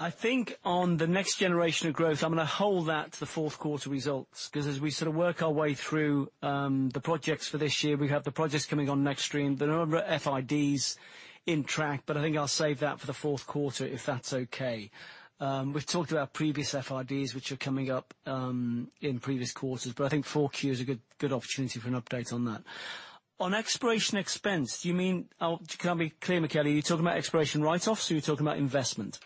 I think on the next generation of growth, I'm going to hold that to the fourth quarter results, because as we sort of work our way through the projects for this year, we have the projects coming on next stream. There are a number of FIDs in track, but I think I'll save that for the fourth quarter, if that's okay. We've talked about previous FIDs, which are coming up in previous quarters, but I think 4Q is a good opportunity for an update on that. On exploration expense, do you mean, can I be clear, Michele? Are you talking about exploration write-offs, or are you talking about investment?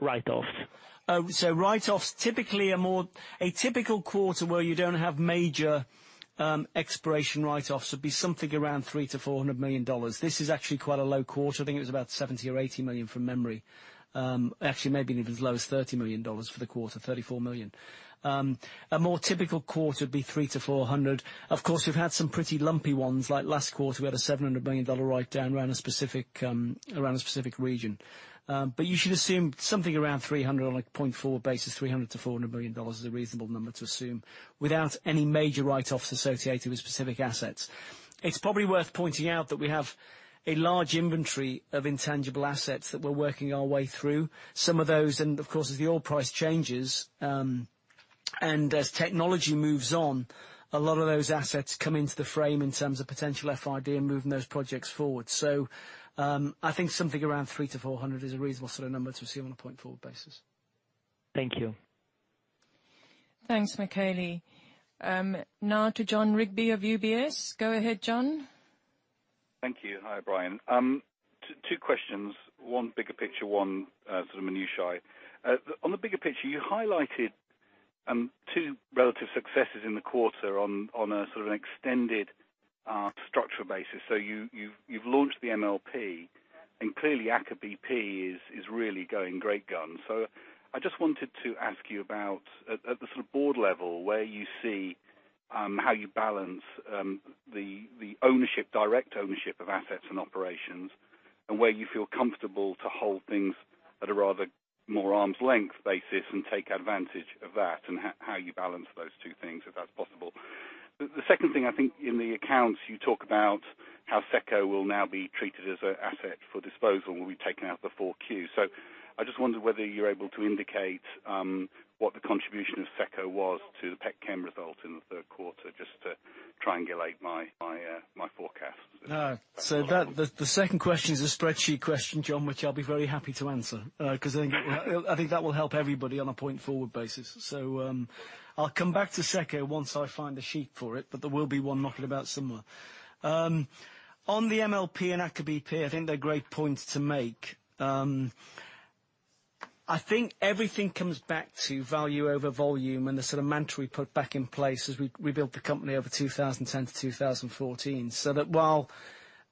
Write-offs. Write-offs. Typically, a typical quarter where you don't have major exploration write-offs would be something around GBP 300 million-GBP 400 million. This is actually quite a low quarter. I think it was about 70 million or 80 million from memory. Actually, maybe even as low as GBP 30 million for the quarter, 34 million. A more typical quarter would be 300 million to 400 million. Of course, we've had some pretty lumpy ones. Like last quarter, we had a GBP 700 million write-down around a specific region. You should assume something around 300 million, on a point-forward basis, GBP 300 million-GBP 400 million is a reasonable number to assume without any major write-offs associated with specific assets. It's probably worth pointing out that we have a large inventory of intangible assets that we're working our way through. Some of those, of course, as the oil price changes, and as technology moves on, a lot of those assets come into the frame in terms of potential FID and moving those projects forward. I think something around 300 million to 400 million is a reasonable sort of number to assume on a point-forward basis. Thank you. Thanks, Michele. Now to Jon Rigby of UBS. Go ahead, Jon. Thank you. Hi, Brian. Two questions. One bigger picture, one sort of minutiae. On the bigger picture, you highlighted two relative successes in the quarter on a sort of an extended structural basis. You've launched the MLP, and clearly Aker BP is really going great guns. I just wanted to ask you about, at the sort of board level, where you see how you balance the direct ownership of assets and operations, and where you feel comfortable to hold things at a rather more arm's length basis and take advantage of that, and how you balance those two things, if that's possible. The second thing, I think in the accounts you talk about how SECCO will now be treated as an asset for disposal, will be taken out the 4Q. I just wondered whether you're able to indicate what the contribution of SECCO was to the petchem result in the third quarter, just to triangulate my forecast. The second question is a spreadsheet question, Jon, which I'll be very happy to answer. I think that will help everybody on a point-forward basis. I'll come back to SECCO once I find the sheet for it, but there will be one knocking about somewhere. On the MLP and Aker BP, I think they're great points to make. I think everything comes back to value over volume and the sort of mantra we put back in place as we built the company over 2010 to 2014. That while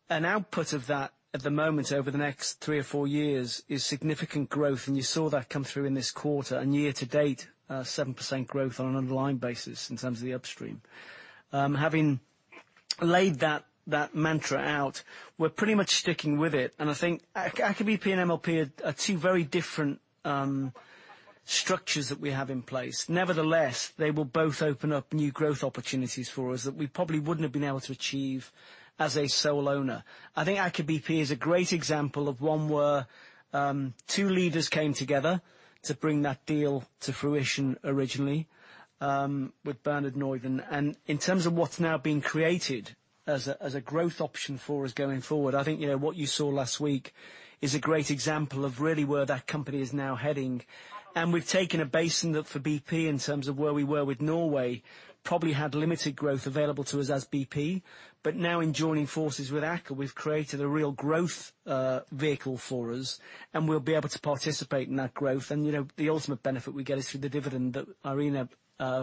an output of that at the moment over the next three or four years is significant growth, and you saw that come through in this quarter, and year to date, 7% growth on an underlying basis in terms of the upstream. Having laid that mantra out, we're pretty much sticking with it. I think Aker BP and MLP are two very different structures that we have in place. Nevertheless, they will both open up new growth opportunities for us that we probably wouldn't have been able to achieve as a sole owner. I think Aker BP is a great example of one where two leaders came together to bring that deal to fruition originally with Bernard Looney. In terms of what's now being created as a growth option for us going forward, I think what you saw last week is a great example of really where that company is now heading. We've taken a basin that for BP, in terms of where we were with Norway, probably had limited growth available to us as BP. Now in joining forces with Aker, we've created a real growth vehicle for us, and we'll be able to participate in that growth. The ultimate benefit we get is through the dividend that Irene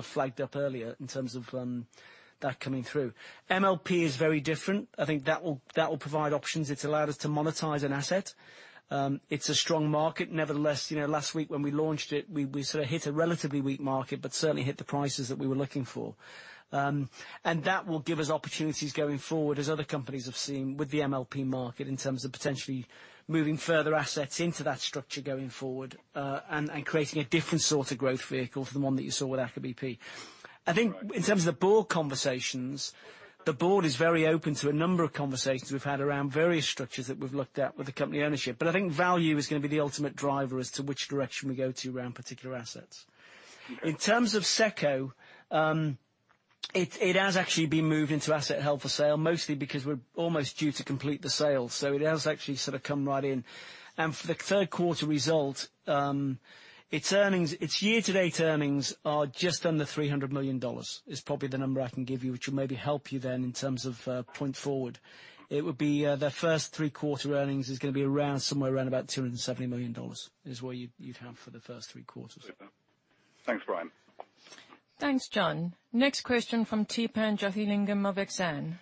flagged up earlier in terms of that coming through. MLP is very different. I think that will provide options. It's allowed us to monetize an asset. It's a strong market. Nevertheless, last week when we launched it, we sort of hit a relatively weak market, but certainly hit the prices that we were looking for. That will give us opportunities going forward as other companies have seen with the MLP market in terms of potentially moving further assets into that structure going forward, and creating a different sort of growth vehicle from the one that you saw with Aker BP. I think in terms of the board conversations, the board is very open to a number of conversations we've had around various structures that we've looked at with the company ownership. I think value is going to be the ultimate driver as to which direction we go to around particular assets. In terms of SECCO, it has actually been moved into asset held for sale, mostly because we're almost due to complete the sale. It has actually sort of come right in. For the third quarter result, its year-to-date earnings are just under $300 million, is probably the number I can give you, which will maybe help you then in terms of point forward. It would be their first three quarter earnings is going to be somewhere around about $270 million, is what you'd have for the first three quarters. Thanks, Brian. Thanks, Jon. Next question from Theepan Jothilingam of Exane.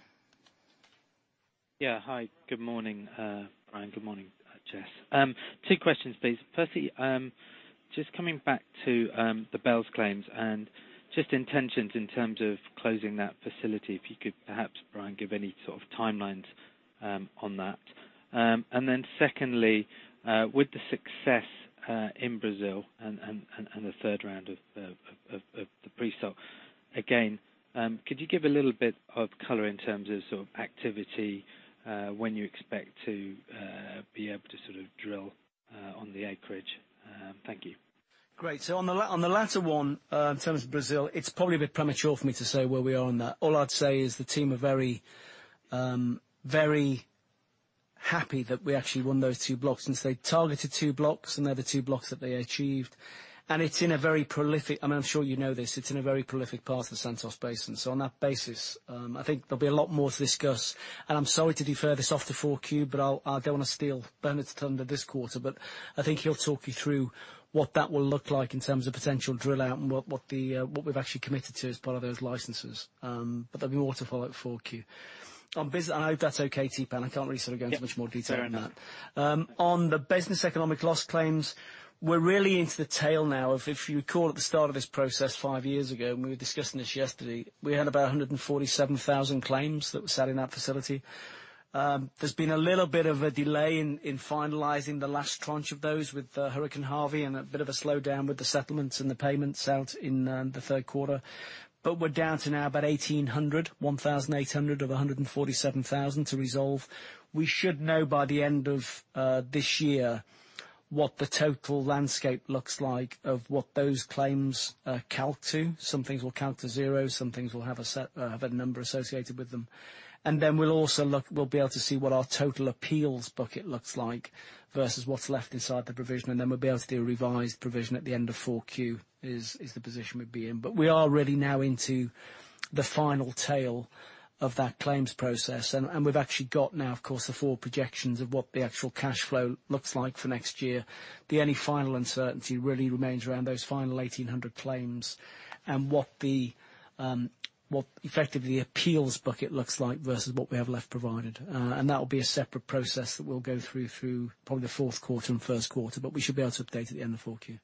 Yeah. Hi, good morning, Brian. Good morning, Jess. Two questions, please. Firstly, just coming back to the BEL claims and intentions in terms of closing that facility. If you could perhaps, Brian, give any sort of timelines on that. Secondly, with the success in Brazil and the third round of the pre-salt, again, could you give a little bit of color in terms of activity, when you expect to be able to drill on the acreage? Thank you. Great. On the latter one, in terms of Brazil, it's probably a bit premature for me to say where we are on that. All I'd say is the team are very happy that we actually won those two blocks. Since they targeted two blocks, and they're the two blocks that they achieved. It's in a very prolific, I mean, I'm sure you know this, it's in a very prolific part of the Santos Basin. On that basis, I think there'll be a lot more to discuss. I'm sorry to defer this off to 4Q, I don't want to steal Bernard's thunder this quarter, I think he'll talk you through what that will look like in terms of potential drill out and what we've actually committed to as part of those licenses. There'll be more to follow at 4Q. I hope that's okay, Theepan. I can't really sort of go into much more detail than that. Yeah, fair enough. On the business economic loss claims, we are really into the tail now of, if you recall, at the start of this process 5 years ago, and we were discussing this yesterday, we had about 147,000 claims that were sat in that facility. There has been a little bit of a delay in finalizing the last tranche of those with Hurricane Harvey and a bit of a slowdown with the settlements and the payments out in the third quarter. We are down to now about 1,800 of 147,000 to resolve. We should know by the end of this year what the total landscape looks like of what those claims calc to. Some things will count to zero, some things will have a number associated with them. Then we will be able to see what our total appeals bucket looks like versus what is left inside the provision. Then we will be able to do a revised provision at the end of 4Q, is the position we would be in. We are really now into the final tail of that claims process. We have actually got now, of course, the full projections of what the actual cash flow looks like for next year. The only final uncertainty really remains around those final 1,800 claims and what effectively the appeals bucket looks like versus what we have left provided. That will be a separate process that we will go through probably the fourth quarter and first quarter. We should be able to update at the end of 4Q.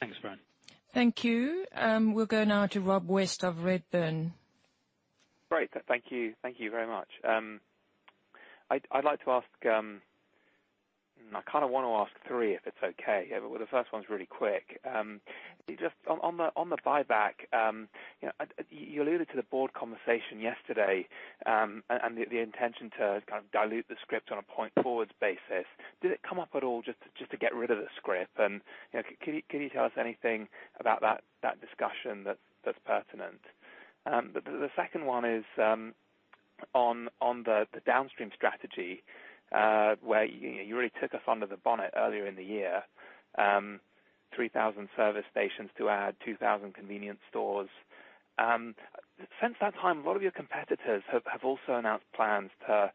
Thanks, Brian. Thank you. We'll go now to Rob West of Redburn. Great. Thank you. Thank you very much. I'd like to ask, I kind of want to ask three if it's okay. Well, the first one's really quick. Just on the buyback. You alluded to the board conversation yesterday, and the intention to kind of dilute the scrip on a point forwards basis. Did it come up at all just to get rid of the scrip? Can you tell us anything about that discussion that's pertinent? The second one is on the Downstream Strategy, where you really took us under the bonnet earlier in the year, 3,000 service stations to add 2,000 convenience stores. Since that time, a lot of your competitors have also announced plans to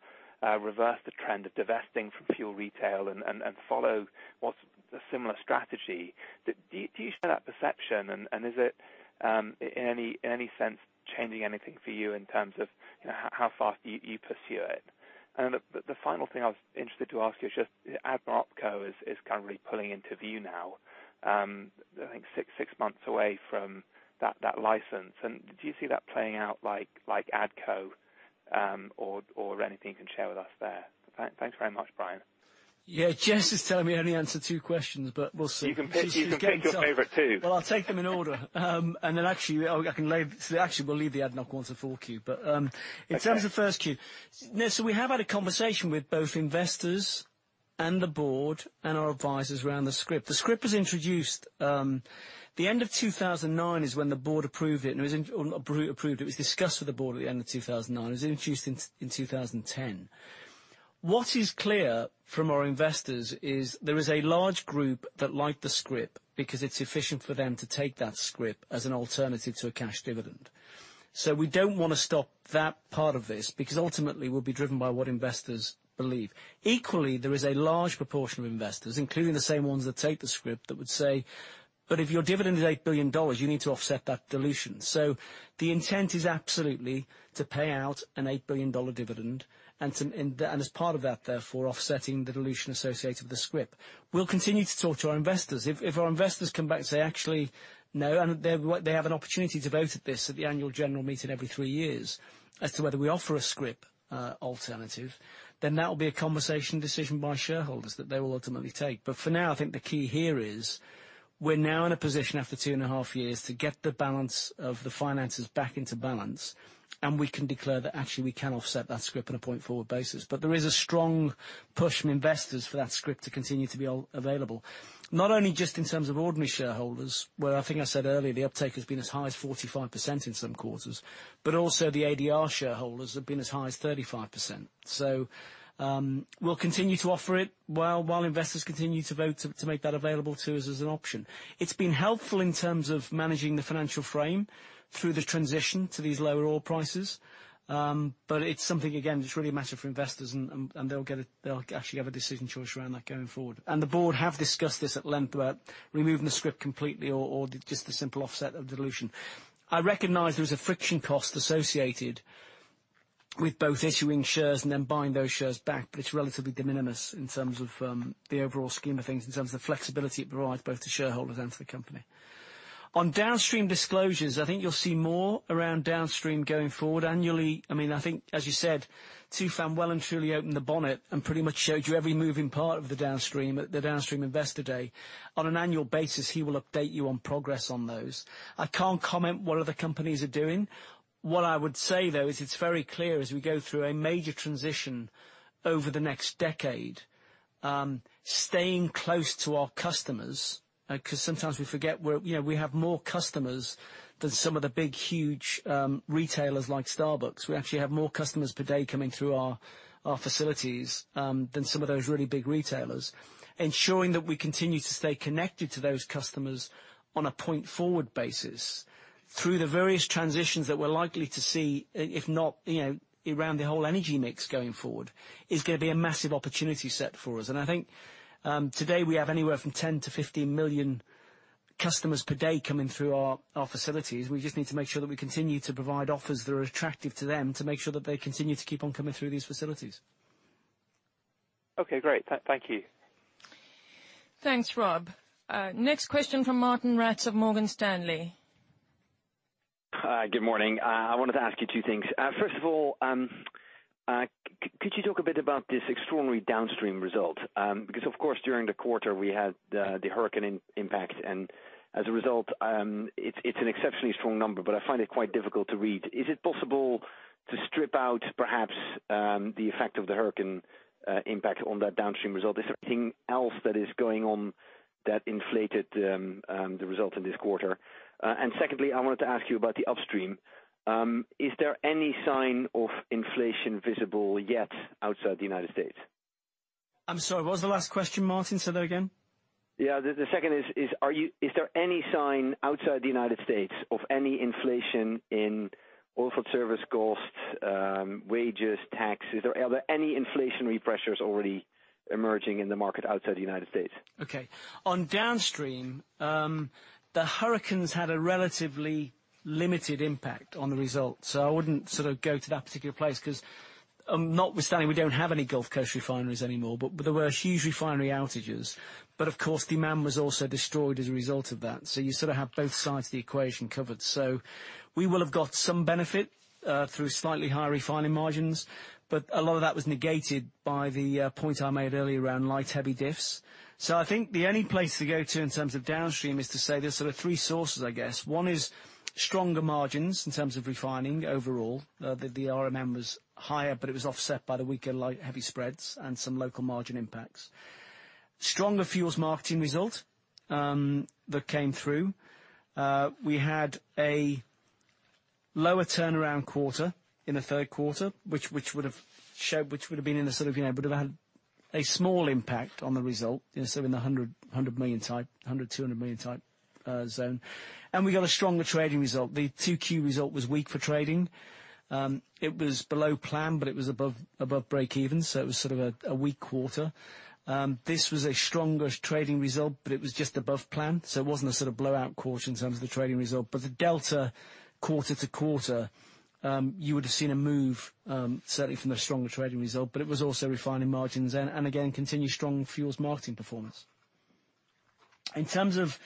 reverse the trend of divesting from fuel retail and follow what's a similar strategy. Do you share that perception? Is it in any sense changing anything for you in terms of how fast you pursue it? The final thing I was interested to ask you is just, ADNOC is kind of really pulling into view now. I think six months away from that license. Do you see that playing out like ADCO or anything you can share with us there? Thanks very much, Brian. Yeah. Jess is telling me only answer two questions, but we'll see. She's getting tough. You can pick your favorite two. Well, I'll take them in order. Actually we'll leave the ADNOC one to 4Q. In terms of 1Q, we have had a conversation with both investors and the board and our advisors around the scrip. The scrip was introduced. The end of 2009 is when the board approved it. Well, not approved, it was discussed with the board at the end of 2009. It was introduced in 2010. What is clear from our investors is there is a large group that like the scrip because it's efficient for them to take that scrip as an alternative to a cash dividend. We don't want to stop that part of this, because ultimately we'll be driven by what investors believe. Equally, there is a large proportion of investors, including the same ones that take the scrip, that would say If your dividend is $8 billion, you need to offset that dilution. The intent is absolutely to pay out an $8 billion dividend, and as part of that, therefore, offsetting the dilution associated with the scrip. We'll continue to talk to our investors. If our investors come back and say, "Actually, no," and they have an opportunity to vote at this, at the annual general meeting every three years as to whether we offer a scrip alternative, then that will be a conversation decision by shareholders that they will ultimately take. For now, I think the key here is, we're now in a position after two and a half years to get the balance of the finances back into balance, and we can declare that actually we can offset that scrip on a point-forward basis. There is a strong push from investors for that scrip to continue to be available. Not only just in terms of ordinary shareholders, where I think I said earlier, the uptake has been as high as 45% in some quarters, but also the ADR shareholders have been as high as 35%. We'll continue to offer it while investors continue to vote to make that available to us as an option. It's been helpful in terms of managing the financial frame through the transition to these lower oil prices. It's something, again, that's really a matter for investors and they'll actually have a decision choice around that going forward. The board have discussed this at length about removing the scrip completely or just the simple offset of dilution. I recognize there is a friction cost associated with both issuing shares and then buying those shares back, it's relatively de minimis in terms of the overall scheme of things, in terms of the flexibility it provides both to shareholders and to the company. On Downstream disclosures, I think you'll see more around Downstream going forward annually. I think, as you said, Tufan well and truly opened the bonnet and pretty much showed you every moving part of the Downstream at the Downstream Investor Day. On an annual basis, he will update you on progress on those. I can't comment what other companies are doing. What I would say, though, is it's very clear as we go through a major transition over the next decade, staying close to our customers, because sometimes we forget we have more customers than some of the big, huge retailers like Starbucks. We actually have more customers per day coming through our facilities than some of those really big retailers. Ensuring that we continue to stay connected to those customers on a point-forward basis through the various transitions that we're likely to see, if not around the whole energy mix going forward, is going to be a massive opportunity set for us. I think today we have anywhere from 10 million-15 million customers per day coming through our facilities. We just need to make sure that we continue to provide offers that are attractive to them to make sure that they continue to keep on coming through these facilities. Okay, great. Thank you. Thanks, Rob. Next question from Martijn Rats of Morgan Stanley. Hi, good morning. I wanted to ask you two things. First of all, could you talk a bit about this extraordinary Downstream result? Of course, during the quarter we had the hurricane impact, and as a result, it's an exceptionally strong number, but I find it quite difficult to read. Is it possible to strip out, perhaps, the effect of the hurricane impact on that Downstream result? Is there anything else that is going on that inflated the result in this quarter? Secondly, I wanted to ask you about the Upstream. Is there any sign of inflation visible yet outside the U.S.? I'm sorry, what was the last question, Martijn? Say that again. The second is there any sign outside the U.S. of any inflation in oilfield service costs, wages, tax? Are there any inflationary pressures already emerging in the market outside the U.S.? Okay. On downstream, the Hurricane Harvey had a relatively limited impact on the results. I wouldn't go to that particular place because notwithstanding we don't have any Gulf Coast refineries anymore, but there were huge refinery outages. Of course, demand was also destroyed as a result of that. You sort of have both sides of the equation covered. We will have got some benefit through slightly higher refining margins, but a lot of that was negated by the point I made earlier around light, heavy diffs. I think the only place to go to in terms of downstream is to say there's sort of three sources, I guess. One is stronger margins in terms of refining overall. The RMM was higher, but it was offset by the weaker light, heavy spreads and some local margin impacts. Stronger fuels marketing result that came through. We had a lower turnaround quarter in the third quarter, which would have had a small impact on the result, in the 100 million-200 million type zone. We got a stronger trading result. The 2Q result was weak for trading. It was below plan, but it was above breakeven, it was sort of a weak quarter. This was a stronger trading result, but it was just above plan, it wasn't a sort of blowout quarter in terms of the trading result. The delta quarter-to-quarter, you would have seen a move, certainly from the stronger trading result, but it was also refining margins and again, continued strong fuels marketing performance. In terms of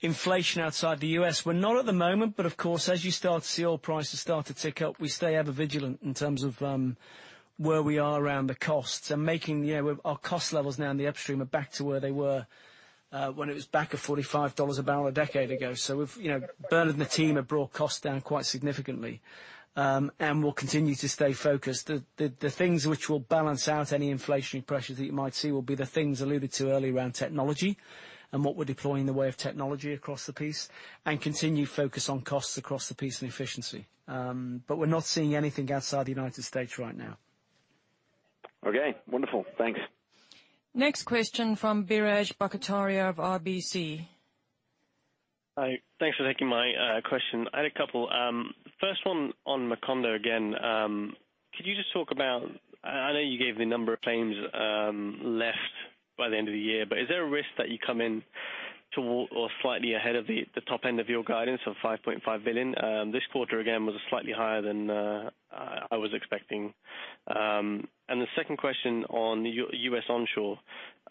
inflation outside the U.S., we're not at the moment, of course, as you start to see oil prices start to tick up, we stay ever vigilant in terms of where we are around the costs and making our cost levels now in the upstream are back to where they were when it was back at $45 a barrel a decade ago. Bernard and the team have brought costs down quite significantly. We'll continue to stay focused. The things which will balance out any inflationary pressures that you might see will be the things alluded to earlier around technology and what we're deploying in the way of technology across the piece, and continue focus on costs across the piece and efficiency. We're not seeing anything outside the United States right now. Okay, wonderful. Thanks. Next question from Biraj Borkhataria of RBC. Hi. Thanks for taking my question. I had a couple. First one on Macondo again. Could you just talk about, I know you gave the number of claims left by the end of the year, but is there a risk that you come in slightly ahead of the top end of your guidance of $5.5 billion? This quarter, again, was slightly higher than I was expecting. The second question on U.S. onshore.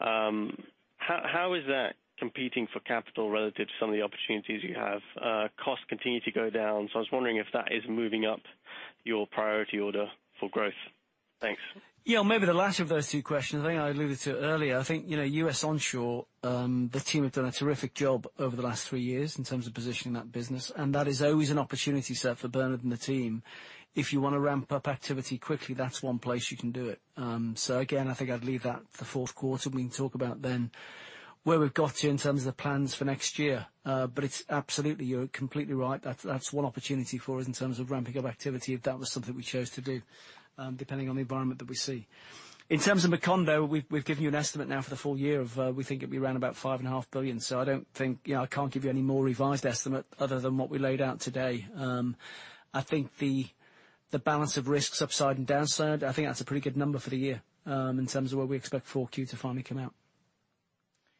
How is that competing for capital relative to some of the opportunities you have? Costs continue to go down, so I was wondering if that is moving up your priority order for growth. Thanks. Maybe the last of those two questions. I think I alluded to it earlier. I think, U.S. onshore, the team have done a terrific job over the last three years in terms of positioning that business, and that is always an opportunity set for Bernard and the team. If you want to ramp up activity quickly, that's one place you can do it. Again, I think I'd leave that for fourth quarter, and we can talk about then where we've got to in terms of the plans for next year. It's absolutely, you're completely right. That's one opportunity for us in terms of ramping up activity, if that was something we chose to do, depending on the environment that we see. In terms of Macondo, we've given you an estimate now for the full year of, we think it'd be around about $5.5 billion. I don't think, I can't give you any more revised estimate other than what we laid out today. I think the balance of risks upside and downside, I think that's a pretty good number for the year, in terms of where we expect four Q to finally come out.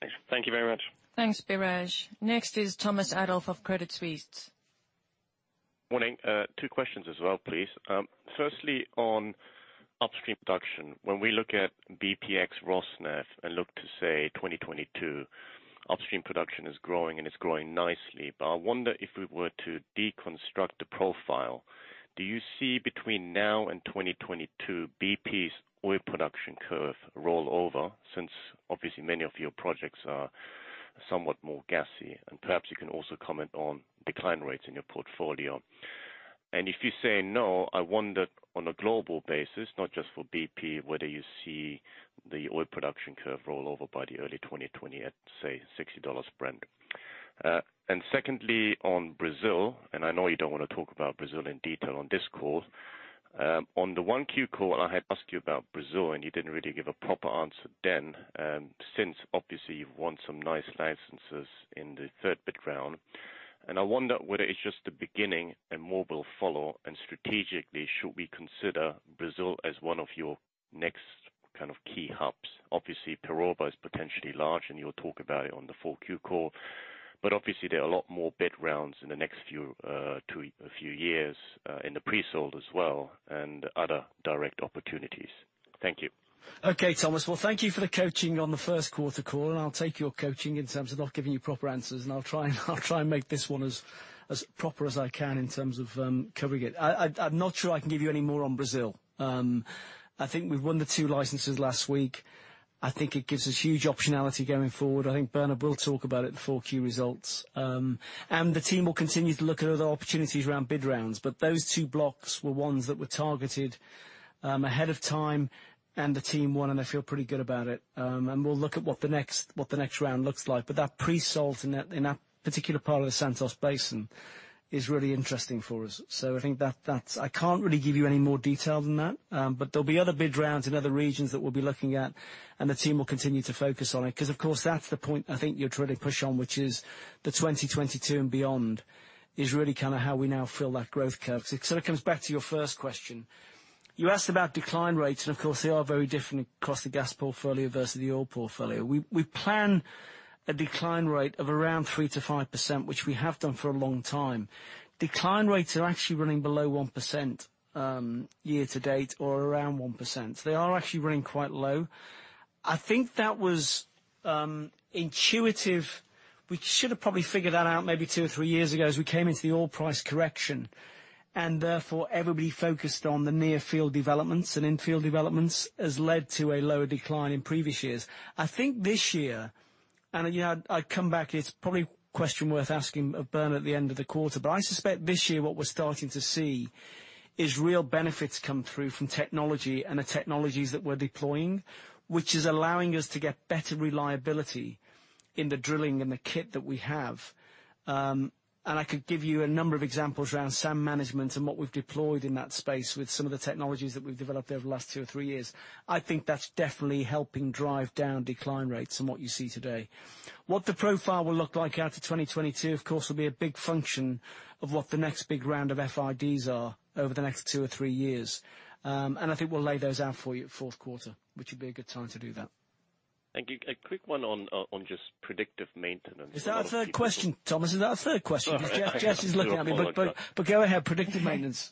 Thanks. Thank you very much. Thanks, Biraj. Next is Thomas Adolff of Credit Suisse. Morning. Two questions as well, please. Firstly, on upstream production. When we look at BP ex Rosneft and look to, say, 2022, upstream production is growing and it's growing nicely. I wonder if we were to deconstruct the profile, do you see between now and 2022 BP's oil production curve roll over? Since obviously many of your projects are somewhat more gassy. Perhaps you can also comment on decline rates in your portfolio. If you say no, I wonder on a global basis, not just for BP, whether you see the oil production curve roll over by the early 2020 at, say, $60 a barrel. Secondly, on Brazil, I know you don't want to talk about Brazil in detail on this call. On the one Q call, I had asked you about Brazil, you didn't really give a proper answer then. Obviously you've won some nice licenses in the third bid round, I wonder whether it's just the beginning. More will follow, strategically, should we consider Brazil as one of your next kind of key hubs? Obviously, Peroba is potentially large, you'll talk about it on the four Q call. Obviously there are a lot more bid rounds in the next few years in the pre-salt as well, other direct opportunities. Thank you. Okay, Thomas. Well, thank you for the coaching on the first quarter call. I'll take your coaching in terms of not giving you proper answers, and I'll try and make this one as proper as I can in terms of covering it. I'm not sure I can give you any more on Brazil. I think we've won the 2 licenses last week. I think it gives us huge optionality going forward. I think Bernard will talk about it at the 4Q results. The team will continue to look at other opportunities around bid rounds. Those 2 blocks were ones that were targeted ahead of time, and the team won, and they feel pretty good about it. We'll look at what the next round looks like. That pre-salt in that particular part of the Santos Basin is really interesting for us. I think that's I can't really give you any more detail than that. There'll be other bid rounds in other regions that we'll be looking at, and the team will continue to focus on it. Of course, that's the point I think you're trying to push on, which is the 2022 and beyond is really kind of how we now fill that growth curve. It comes back to your first question. You asked about decline rates, and of course, they are very different across the gas portfolio versus the oil portfolio. We plan a decline rate of around 3%-5%, which we have done for a long time. Decline rates are actually running below 1%, year to date, or around 1%. They are actually running quite low. I think that was intuitive. We should have probably figured that out maybe two or three years ago as we came into the oil price correction. Therefore everybody focused on the near-field developments and in-field developments has led to a lower decline in previous years. I think this year, I'd come back, it's probably a question worth asking of Bernard at the end of the quarter, but I suspect this year what we're starting to see is real benefits come through from technology and the technologies that we're deploying, which is allowing us to get better reliability in the drilling and the kit that we have. I could give you a number of examples around sand management and what we've deployed in that space with some of the technologies that we've developed over the last two or three years. I think that's definitely helping drive down decline rates on what you see today. What the profile will look like out to 2022, of course, will be a big function of what the next big round of FIDs are over the next two or three years. I think we'll lay those out for you at fourth quarter, which would be a good time to do that. Thank you. A quick one on just predictive maintenance. Is that a third question, Thomas? Is that a third question? Jess is looking at me. Go ahead, predictive maintenance.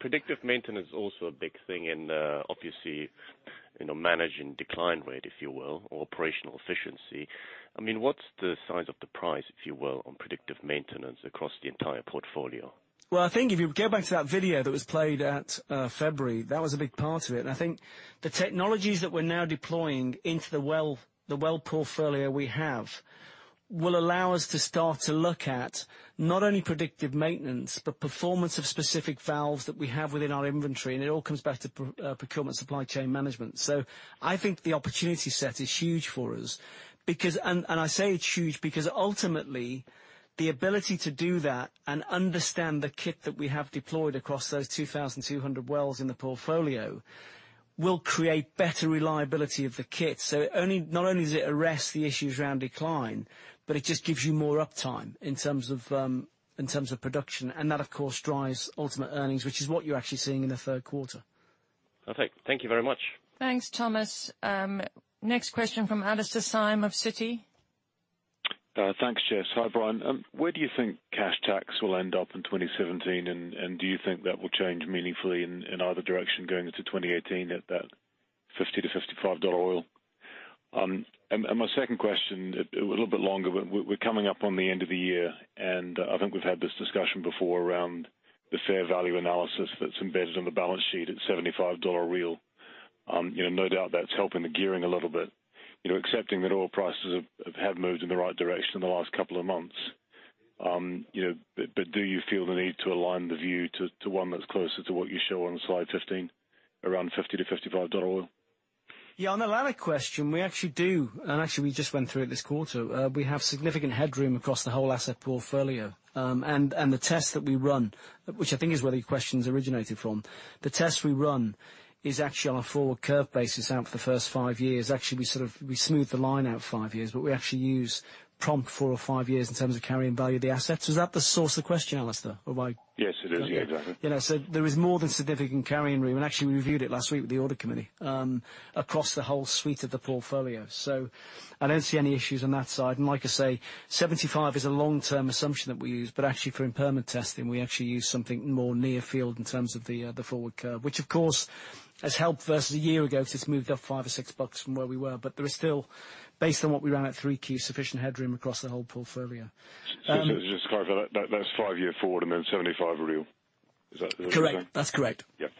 Predictive maintenance is also a big thing in, obviously, managing decline rate, if you will, or operational efficiency. I mean, what's the size of the prize, if you will, on predictive maintenance across the entire portfolio? Well, I think if you go back to that video that was played at February, that was a big part of it. I think the technologies that we're now deploying into the well portfolio we have will allow us to start to look at not only predictive maintenance, but performance of specific valves that we have within our inventory, and it all comes back to procurement supply chain management. I think the opportunity set is huge for us. I say it's huge because ultimately, the ability to do that and understand the kit that we have deployed across those 2,200 wells in the portfolio will create better reliability of the kit. Not only does it arrest the issues around decline, but it just gives you more uptime in terms of production. That, of course, drives ultimate earnings, which is what you're actually seeing in the third quarter. Okay. Thank you very much. Thanks, Thomas. Next question from Alastair Syme of Citi. Thanks, Jess. Hi, Brian. Where do you think cash tax will end up in 2017? Do you think that will change meaningfully in either direction going into 2018 at that $50-$55 oil? My second question, a little bit longer, we're coming up on the end of the year, and I think we've had this discussion before around the fair value analysis that's embedded on the balance sheet at $75 oil. No doubt that's helping the gearing a little bit. Accepting that oil prices have moved in the right direction in the last couple of months, do you feel the need to align the view to one that's closer to what you show on slide 15, around $50-$55 oil? Yeah, on the latter question, we actually do, actually we just went through it this quarter. We have significant headroom across the whole asset portfolio. The test that we run, which I think is where the questions originated from, the test we run is actually on a forward curve basis out for the first five years. Actually, we smooth the line out five years, but we actually use prompt four or five years in terms of carrying value of the assets. Is that the source of the question, Alastair? Or have I? Yes, it is. Yeah, exactly. There is more than significant carrying room, actually we reviewed it last week with the audit committee, across the whole suite of the portfolio. I don't see any issues on that side. Like I say, $75 is a long-term assumption that we use, but actually for impairment testing, we actually use something more near field in terms of the forward curve. Which, of course, has helped versus a year ago, since moved up five or six dollars from where we were. There is still, based on what we ran at 3Q, sufficient headroom across the whole portfolio. Just to clarify that. That's five-year forward and then $75 oil. Is that what you're saying? Correct. That's correct. Yep.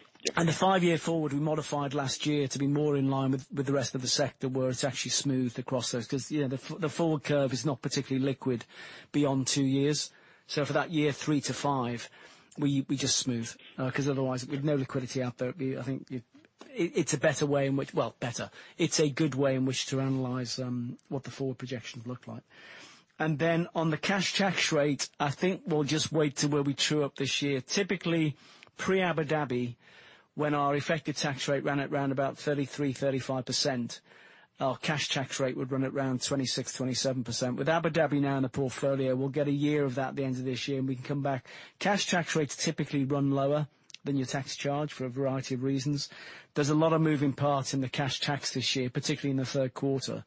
The five-year forward we modified last year to be more in line with the rest of the sector, where it's actually smoothed across those. The forward curve is not particularly liquid beyond two years. For that year three to five, we just smooth. Otherwise, with no liquidity out there, it's a better way in which Well, better. It's a good way in which to analyze what the forward projections look like. On the cash tax rate, I think we'll just wait to where we true up this year. Typically, pre-Abu Dhabi, when our effective tax rate ran at around about 33%-35%, our cash tax rate would run at around 26%-27%. With Abu Dhabi now in the portfolio, we'll get a year of that at the end of this year, and we can come back. Cash tax rates typically run lower than your tax charge for a variety of reasons. There's a lot of moving parts in the cash tax this year, particularly in the third quarter,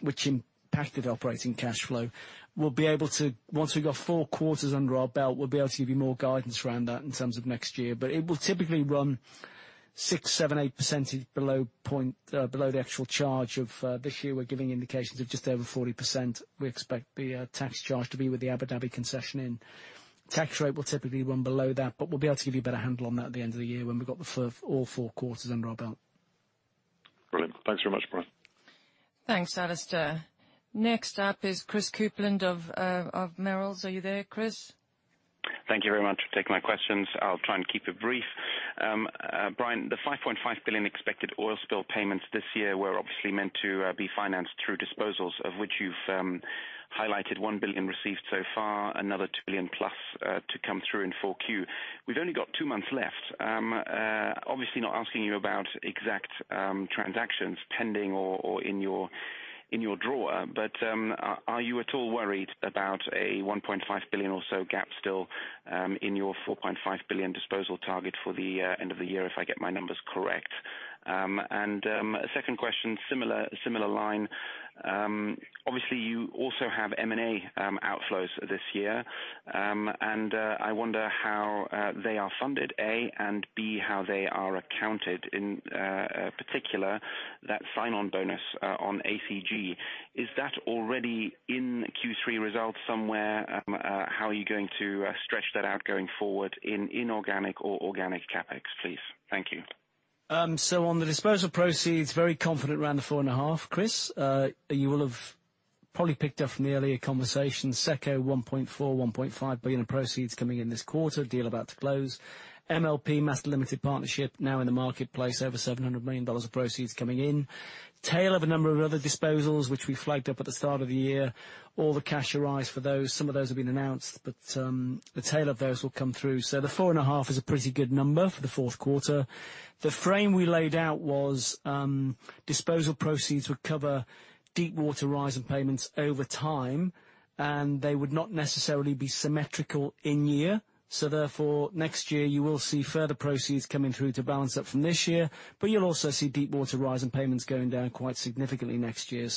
which impacted operating cash flow. Once we've got four quarters under our belt, we'll be able to give you more guidance around that in terms of next year. It will typically run 6%, 7%, 8 percentage below the actual charge of this year. We're giving indications of just over 40%. We expect the tax charge to be with the Abu Dhabi concession in. Tax rate will typically run below that, but we'll be able to give you a better handle on that at the end of the year when we've got all four quarters under our belt. Brilliant. Thanks very much, Brian. Thanks, Alastair. Next up is Chris Kuplent of Bank of America Merrill Lynch's. Are you there, Chris? Thank you very much for taking my questions. I'll try and keep it brief. Brian, the $5.5 billion expected oil spill payments this year were obviously meant to be financed through disposals, of which you've highlighted $1 billion received so far, another $2 billion-plus to come through in 4Q. We've only got two months left. Obviously not asking you about exact transactions pending or in your drawer, but are you at all worried about a $1.5 billion or so gap still in your $4.5 billion disposal target for the end of the year, if I get my numbers correct? A second question, similar line. Obviously, you also have M&A outflows this year. I wonder how they are funded, A, and B, how they are accounted, in particular that sign-on bonus on ACG. Is that already in Q3 results somewhere? How are you going to stretch that out going forward in inorganic or organic CapEx, please? Thank you. On the disposal proceeds, very confident around the four and a half, Chris. You will have probably picked up from the earlier conversation, SECCO $1.4 billion, $1.5 billion of proceeds coming in this quarter, deal about to close. MLP, Master Limited Partnership, now in the marketplace, over $700 million of proceeds coming in. Tail of a number of other disposals, which we flagged up at the start of the year. All the cash arise for those. Some of those have been announced, but the tail of those will come through. The four and a half is a pretty good number for the fourth quarter. The frame we laid out was disposal proceeds would cover Deepwater Horizon payments over time, and they would not necessarily be symmetrical in year. Therefore, next year you will see further proceeds coming through to balance that from this year, but you'll also see Deepwater Horizon payments going down quite significantly next year.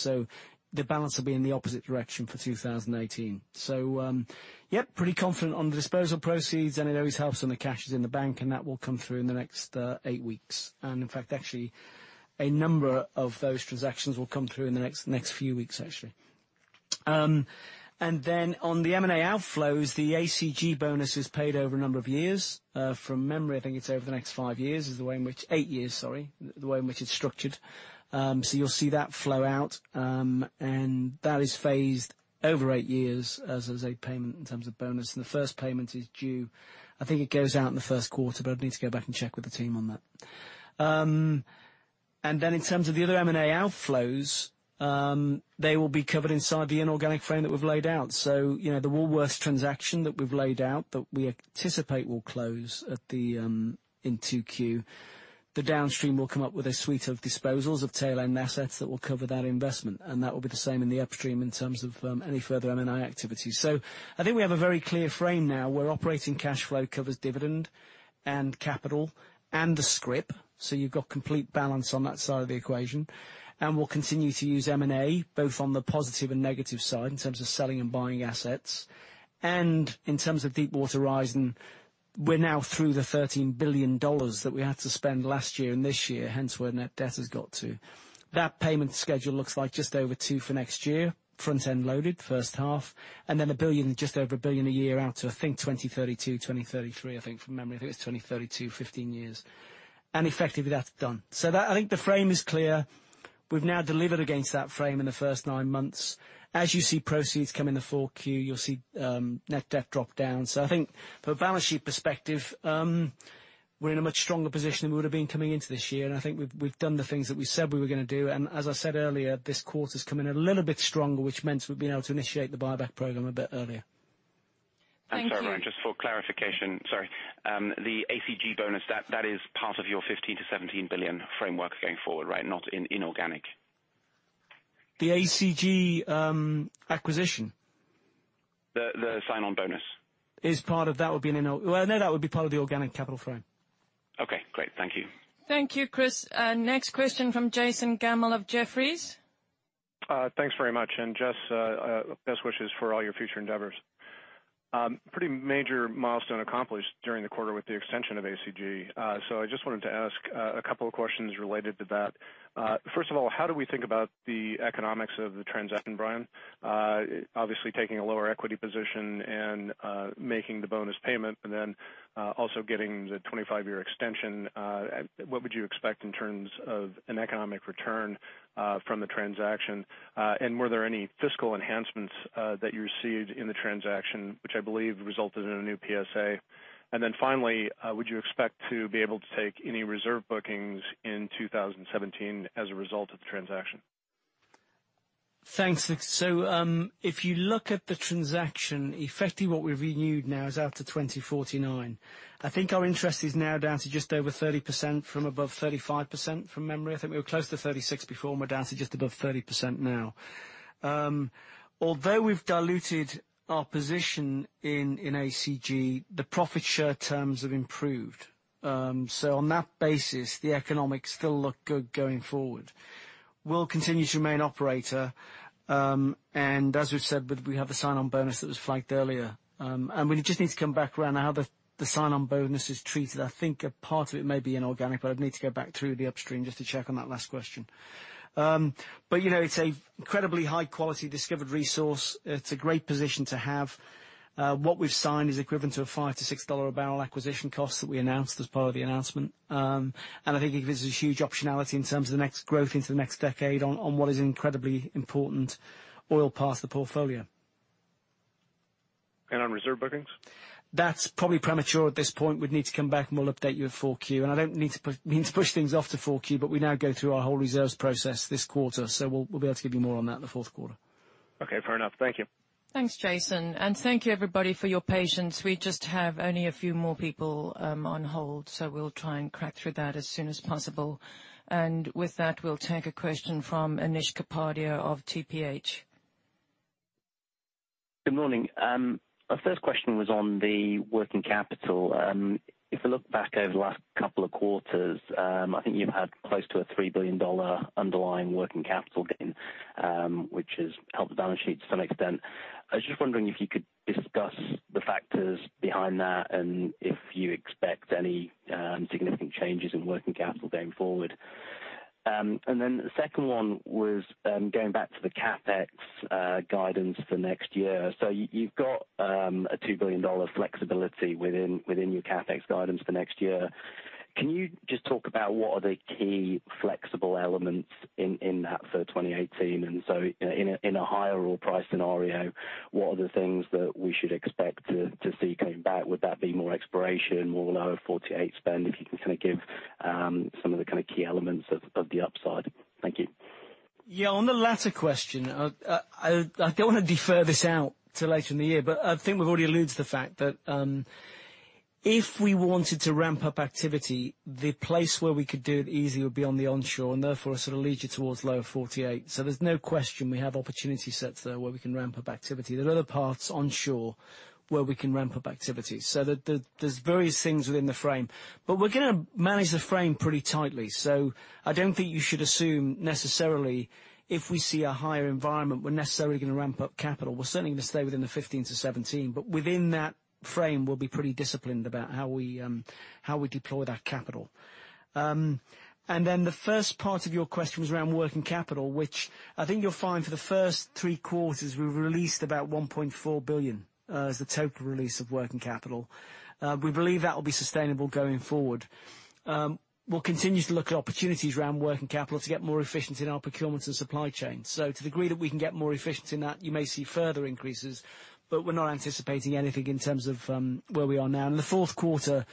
The balance will be in the opposite direction for 2018. Pretty confident on the disposal proceeds, and it always helps when the cash is in the bank, and that will come through in the next eight weeks. In fact, actually, a number of those transactions will come through in the next few weeks, actually. On the M&A outflows, the ACG bonus is paid over a number of years. From memory, I think it's over the next five years, is the way in which, eight years, sorry, the way in which it's structured. That is phased over eight years as a payment in terms of bonus. The first payment is due, I think it goes out in the first quarter, but I'd need to go back and check with the team on that. In terms of the other M&A outflows, they will be covered inside the inorganic frame that we've laid out. The Woolworths transaction that we've laid out, that we anticipate will close in 2Q. The downstream will come up with a suite of disposals of tail end assets that will cover that investment, and that will be the same in the upstream in terms of any further M&A activity. I think we have a very clear frame now, where operating cash flow covers dividend and capital and the scrip. You've got complete balance on that side of the equation. We'll continue to use M&A, both on the positive and negative side in terms of selling and buying assets. In terms of Deepwater Horizon, we're now through the $13 billion that we had to spend last year and this year, hence where net debt has got to. That payment schedule looks like just over $2 for next year, front-end loaded first half, and then just over one billion a year out to, I think, 2032, 2033. I think from memory. I think it was 2032, fifteen years. Effectively, that's done. I think the frame is clear. We've now delivered against that frame in the first nine months. As you see proceeds come in the 4Q, you'll see net debt drop down. I think from a balance sheet perspective, we're in a much stronger position than we would've been coming into this year. I think we've done the things that we said we were going to do. As I said earlier, this quarter's come in a little bit stronger, which meant we've been able to initiate the buyback program a bit earlier. Thank you. Thanks, everyone. Just for clarification, sorry. The ACG bonus, that is part of your 15 billion-17 billion framework going forward, right? Not inorganic. The ACG acquisition? The sign-on bonus. No, that would be part of the organic capital frame. Okay, great. Thank you. Thank you, Chris. Next question from Jason Gabelman of Jefferies. Thanks very much. Jess, best wishes for all your future endeavors. Pretty major milestone accomplished during the quarter with the extension of ACG. I just wanted to ask a couple of questions related to that. First of all, how do we think about the economics of the transaction, Brian? Obviously taking a lower equity position and making the bonus payment, then also getting the 25-year extension. What would you expect in terms of an economic return from the transaction? Were there any fiscal enhancements that you received in the transaction, which I believe resulted in a new PSA? Then finally, would you expect to be able to take any reserve bookings in 2017 as a result of the transaction? Thanks. If you look at the transaction, effectively what we've renewed now is out to 2049. I think our interest is now down to just over 30% from above 35%, from memory. I think we were close to 36 before. We're down to just above 30% now. Although we've diluted our position in ACG, the profit share terms have improved. On that basis, the economics still look good going forward. We'll continue to remain operator. As we've said, we have a sign-on bonus that was flagged earlier. We just need to come back around how the sign-on bonus is treated. I think a part of it may be inorganic, but I'd need to go back through the upstream just to check on that last question. It's an incredibly high-quality discovered resource. It's a great position to have. What we've signed is equivalent to a $5 to $6 a barrel acquisition cost that we announced as part of the announcement. I think it gives us huge optionality in terms of the next growth into the next decade on what is an incredibly important oil part of the portfolio. On reserve bookings? That's probably premature at this point. We'd need to come back, and we'll update you at 4Q. I don't mean to push things off to 4Q, but we now go through our whole reserves process this quarter. We'll be able to give you more on that in the fourth quarter. Okay, fair enough. Thank you. Thanks, Jason. Thank you everybody for your patience. We just have only a few more people on hold, so we'll try and crack through that as soon as possible. With that, we'll take a question from Anish Kapadia of TPH. Good morning. My first question was on the working capital. If I look back over the last couple of quarters, I think you've had close to a $3 billion underlying working capital gain, which has helped the balance sheet to some extent. I was just wondering if you could discuss the factors behind that if you expect any significant changes in working capital going forward. Then the second one was going back to the CapEx guidance for next year. You've got a $2 billion flexibility within your CapEx guidance for next year. Can you just talk about what are the key flexible elements in that for 2018? So, in a higher oil price scenario, what are the things that we should expect to see coming back? Would that be more exploration, more Lower 48 spend? If you can kind of give some of the key elements of the upside. Thank you. On the latter question, I don't want to defer this out to later in the year, I think we've already alluded to the fact that if we wanted to ramp up activity, the place where we could do it easy would be on the onshore, and therefore it sort of leads you towards Lower 48. There's no question we have opportunity sets there where we can ramp up activity. There are other parts onshore where we can ramp up activity. There's various things within the frame. We're going to manage the frame pretty tightly. I don't think you should assume necessarily if we see a higher environment, we're necessarily going to ramp up capital. We're certainly going to stay within the $15 billion-$17 billion. Within that frame, we'll be pretty disciplined about how we deploy that capital. The first part of your question was around working capital, which I think you'll find for the first three quarters, we've released about $1.4 billion as the total release of working capital. We believe that will be sustainable going forward. We'll continue to look at opportunities around working capital to get more efficient in our procurement and supply chain. To the degree that we can get more efficient in that, you may see further increases, we're not anticipating anything in terms of where we are now. In the fourth quarter,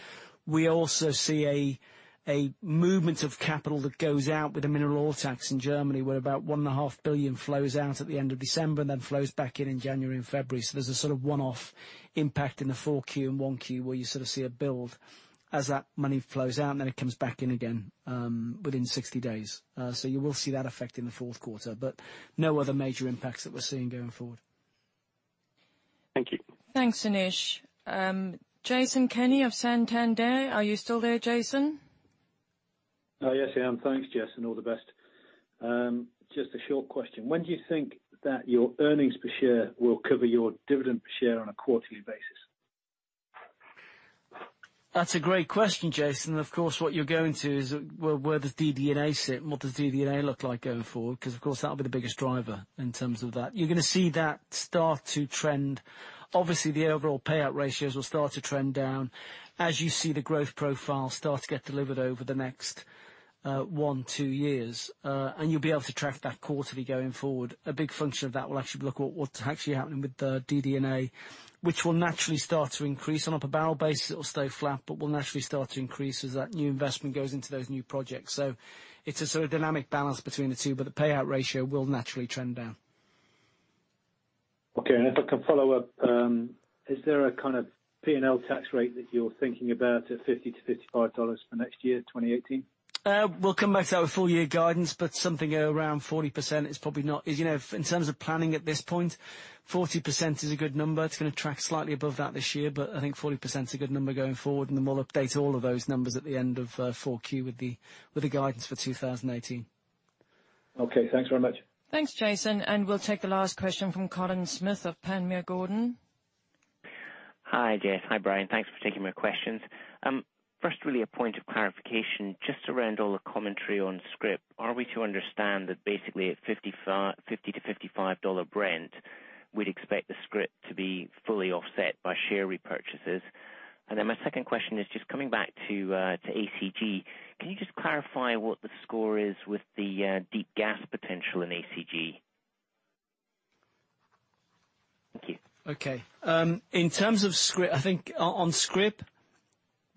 we also see a movement of capital that goes out with the mineral oil tax in Germany, where about $1.5 billion flows out at the end of December and then flows back in in January and February. There's a sort of one-off impact in the 4Q and 1Q where you sort of see a build as that money flows out, it comes back in again within 60 days. You will see that effect in the fourth quarter. No other major impacts that we're seeing going forward. Thank you. Thanks, Anish. Jason Kenney of Santander, are you still there, Jason? Yes, I am. Thanks, Jess, and all the best. Just a short question. When do you think that your earnings per share will cover your dividend per share on a quarterly basis? That's a great question, Jason. Of course, what you're going to is, where does DD&A sit and what does DD&A look like going forward? Because, of course, that'll be the biggest driver in terms of that. You're going to see that start to trend. Obviously, the overall payout ratios will start to trend down as you see the growth profile start to get delivered over the next one, two years. You'll be able to track that quarterly going forward. A big function of that will actually be, look what's actually happening with the DD&A, which will naturally start to increase. On a per barrel basis, it'll stay flat, but will naturally start to increase as that new investment goes into those new projects. It's a sort of dynamic balance between the two, but the payout ratio will naturally trend down. Okay. If I can follow up, is there a kind of P&L tax rate that you're thinking about at $50-$55 for next year, 2018? We'll come back to that with full year guidance. In terms of planning at this point, 40% is a good number. It's going to track slightly above that this year, I think 40% is a good number going forward, we'll update all of those numbers at the end of 4Q with the guidance for 2018. Okay. Thanks very much. Thanks, Jason. We'll take the last question from Colin Smith of Panmure Gordon. Hi, Jess. Hi, Brian. Thanks for taking my questions. First, really a point of clarification just around all the commentary on scrip. Are we to understand that basically at $50-$55 Brent, we'd expect the scrip to be fully offset by share repurchases? My second question is just coming back to ACG. Can you just clarify what the score is with the deep gas potential in ACG? Thank you. Okay. In terms of scrip, I think on scrip,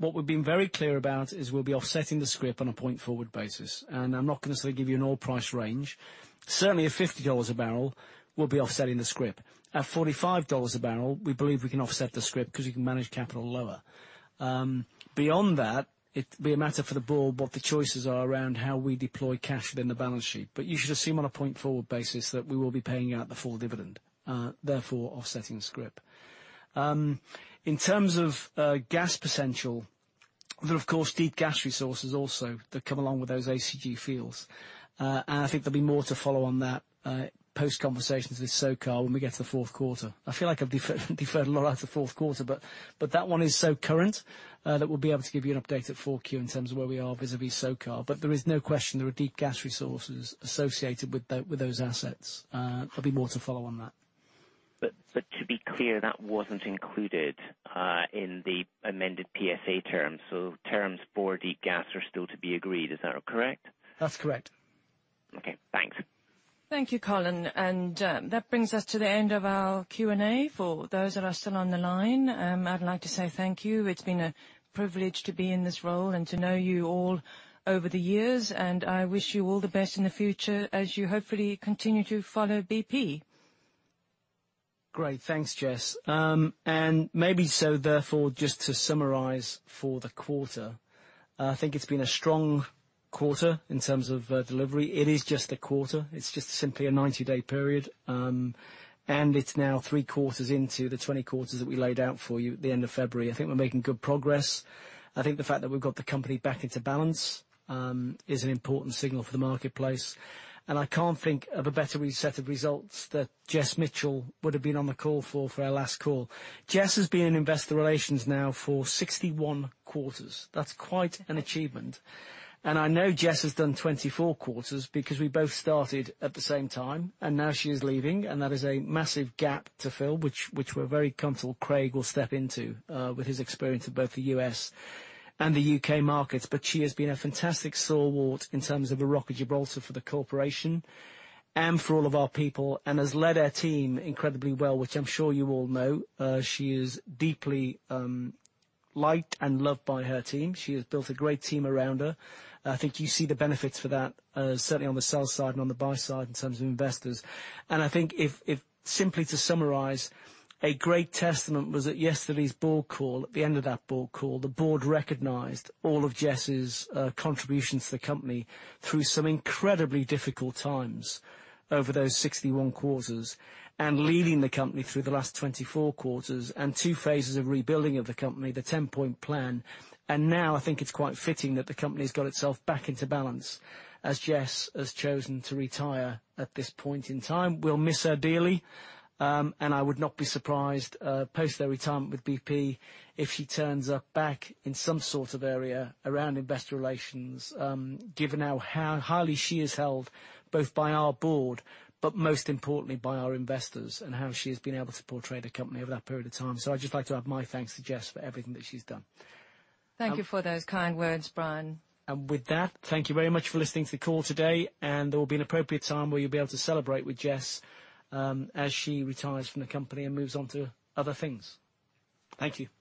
what we've been very clear about is we'll be offsetting the scrip on a point-forward basis. I'm not going to give you an oil price range. Certainly at $50 a barrel, we'll be offsetting the scrip. At $45 a barrel, we believe we can offset the scrip because we can manage capital lower. Beyond that, it'd be a matter for the board what the choices are around how we deploy cash within the balance sheet. You should assume on a point-forward basis that we will be paying out the full dividend, therefore offsetting scrip. In terms of gas potential, there are, of course, deep gas resources also that come along with those ACG fields. I think there'll be more to follow on that post conversations with SOCAR when we get to the fourth quarter. I feel like I've deferred a lot of the fourth quarter, that one is so current, that we'll be able to give you an update at 4Q in terms of where we are vis-à-vis SOCO. There is no question there are deep gas resources associated with those assets. There'll be more to follow on that. To be clear, that wasn't included in the amended PSA terms. Terms for deep gas are still to be agreed. Is that correct? That's correct. Okay, thanks. Thank you, Colin. That brings us to the end of our Q&A. For those that are still on the line, I'd like to say thank you. It's been a privilege to be in this role and to know you all over the years, and I wish you all the best in the future as you hopefully continue to follow BP. Great. Thanks, Jess. Maybe so therefore, just to summarize for the quarter. I think it's been a strong quarter in terms of delivery. It is just a quarter. It's just simply a 90-day period. It's now three quarters into the 20 quarters that we laid out for you at the end of February. I think we're making good progress. I think the fact that we've got the company back into balance is an important signal for the marketplace. I can't think of a better set of results that Jess Mitchell would have been on the call for our last call. Jess has been in investor relations now for 61 quarters. That's quite an achievement. I know Jess has done 24 quarters because we both started at the same time, and now she is leaving, and that is a massive gap to fill, which we're very comfortable Craig will step into, with his experience in both the U.S. and the U.K. markets. She has been a fantastic stalwart in terms of the Rock of Gibraltar for the corporation and for all of our people, and has led her team incredibly well, which I'm sure you all know. She is deeply liked and loved by her team. She has built a great team around her. I think you see the benefits for that, certainly on the sell side and on the buy side in terms of investors. I think if, simply to summarize, a great testament was at yesterday's board call. At the end of that board call, the board recognized all of Jess' contribution to the company through some incredibly difficult times over those 61 quarters, and leading the company through the last 24 quarters and two phases of rebuilding of the company, the 10-point plan. Now I think it's quite fitting that the company's got itself back into balance as Jess has chosen to retire at this point in time. We'll miss her dearly. I would not be surprised post her retirement with BP, if she turns up back in some sort of area around investor relations, given how highly she is held both by our board, but most importantly by our investors, and how she has been able to portray the company over that period of time. I'd just like to add my thanks to Jess for everything that she's done. Thank you for those kind words, Brian. With that, thank you very much for listening to the call today. There will be an appropriate time where you'll be able to celebrate with Jess as she retires from the company and moves on to other things. Thank you.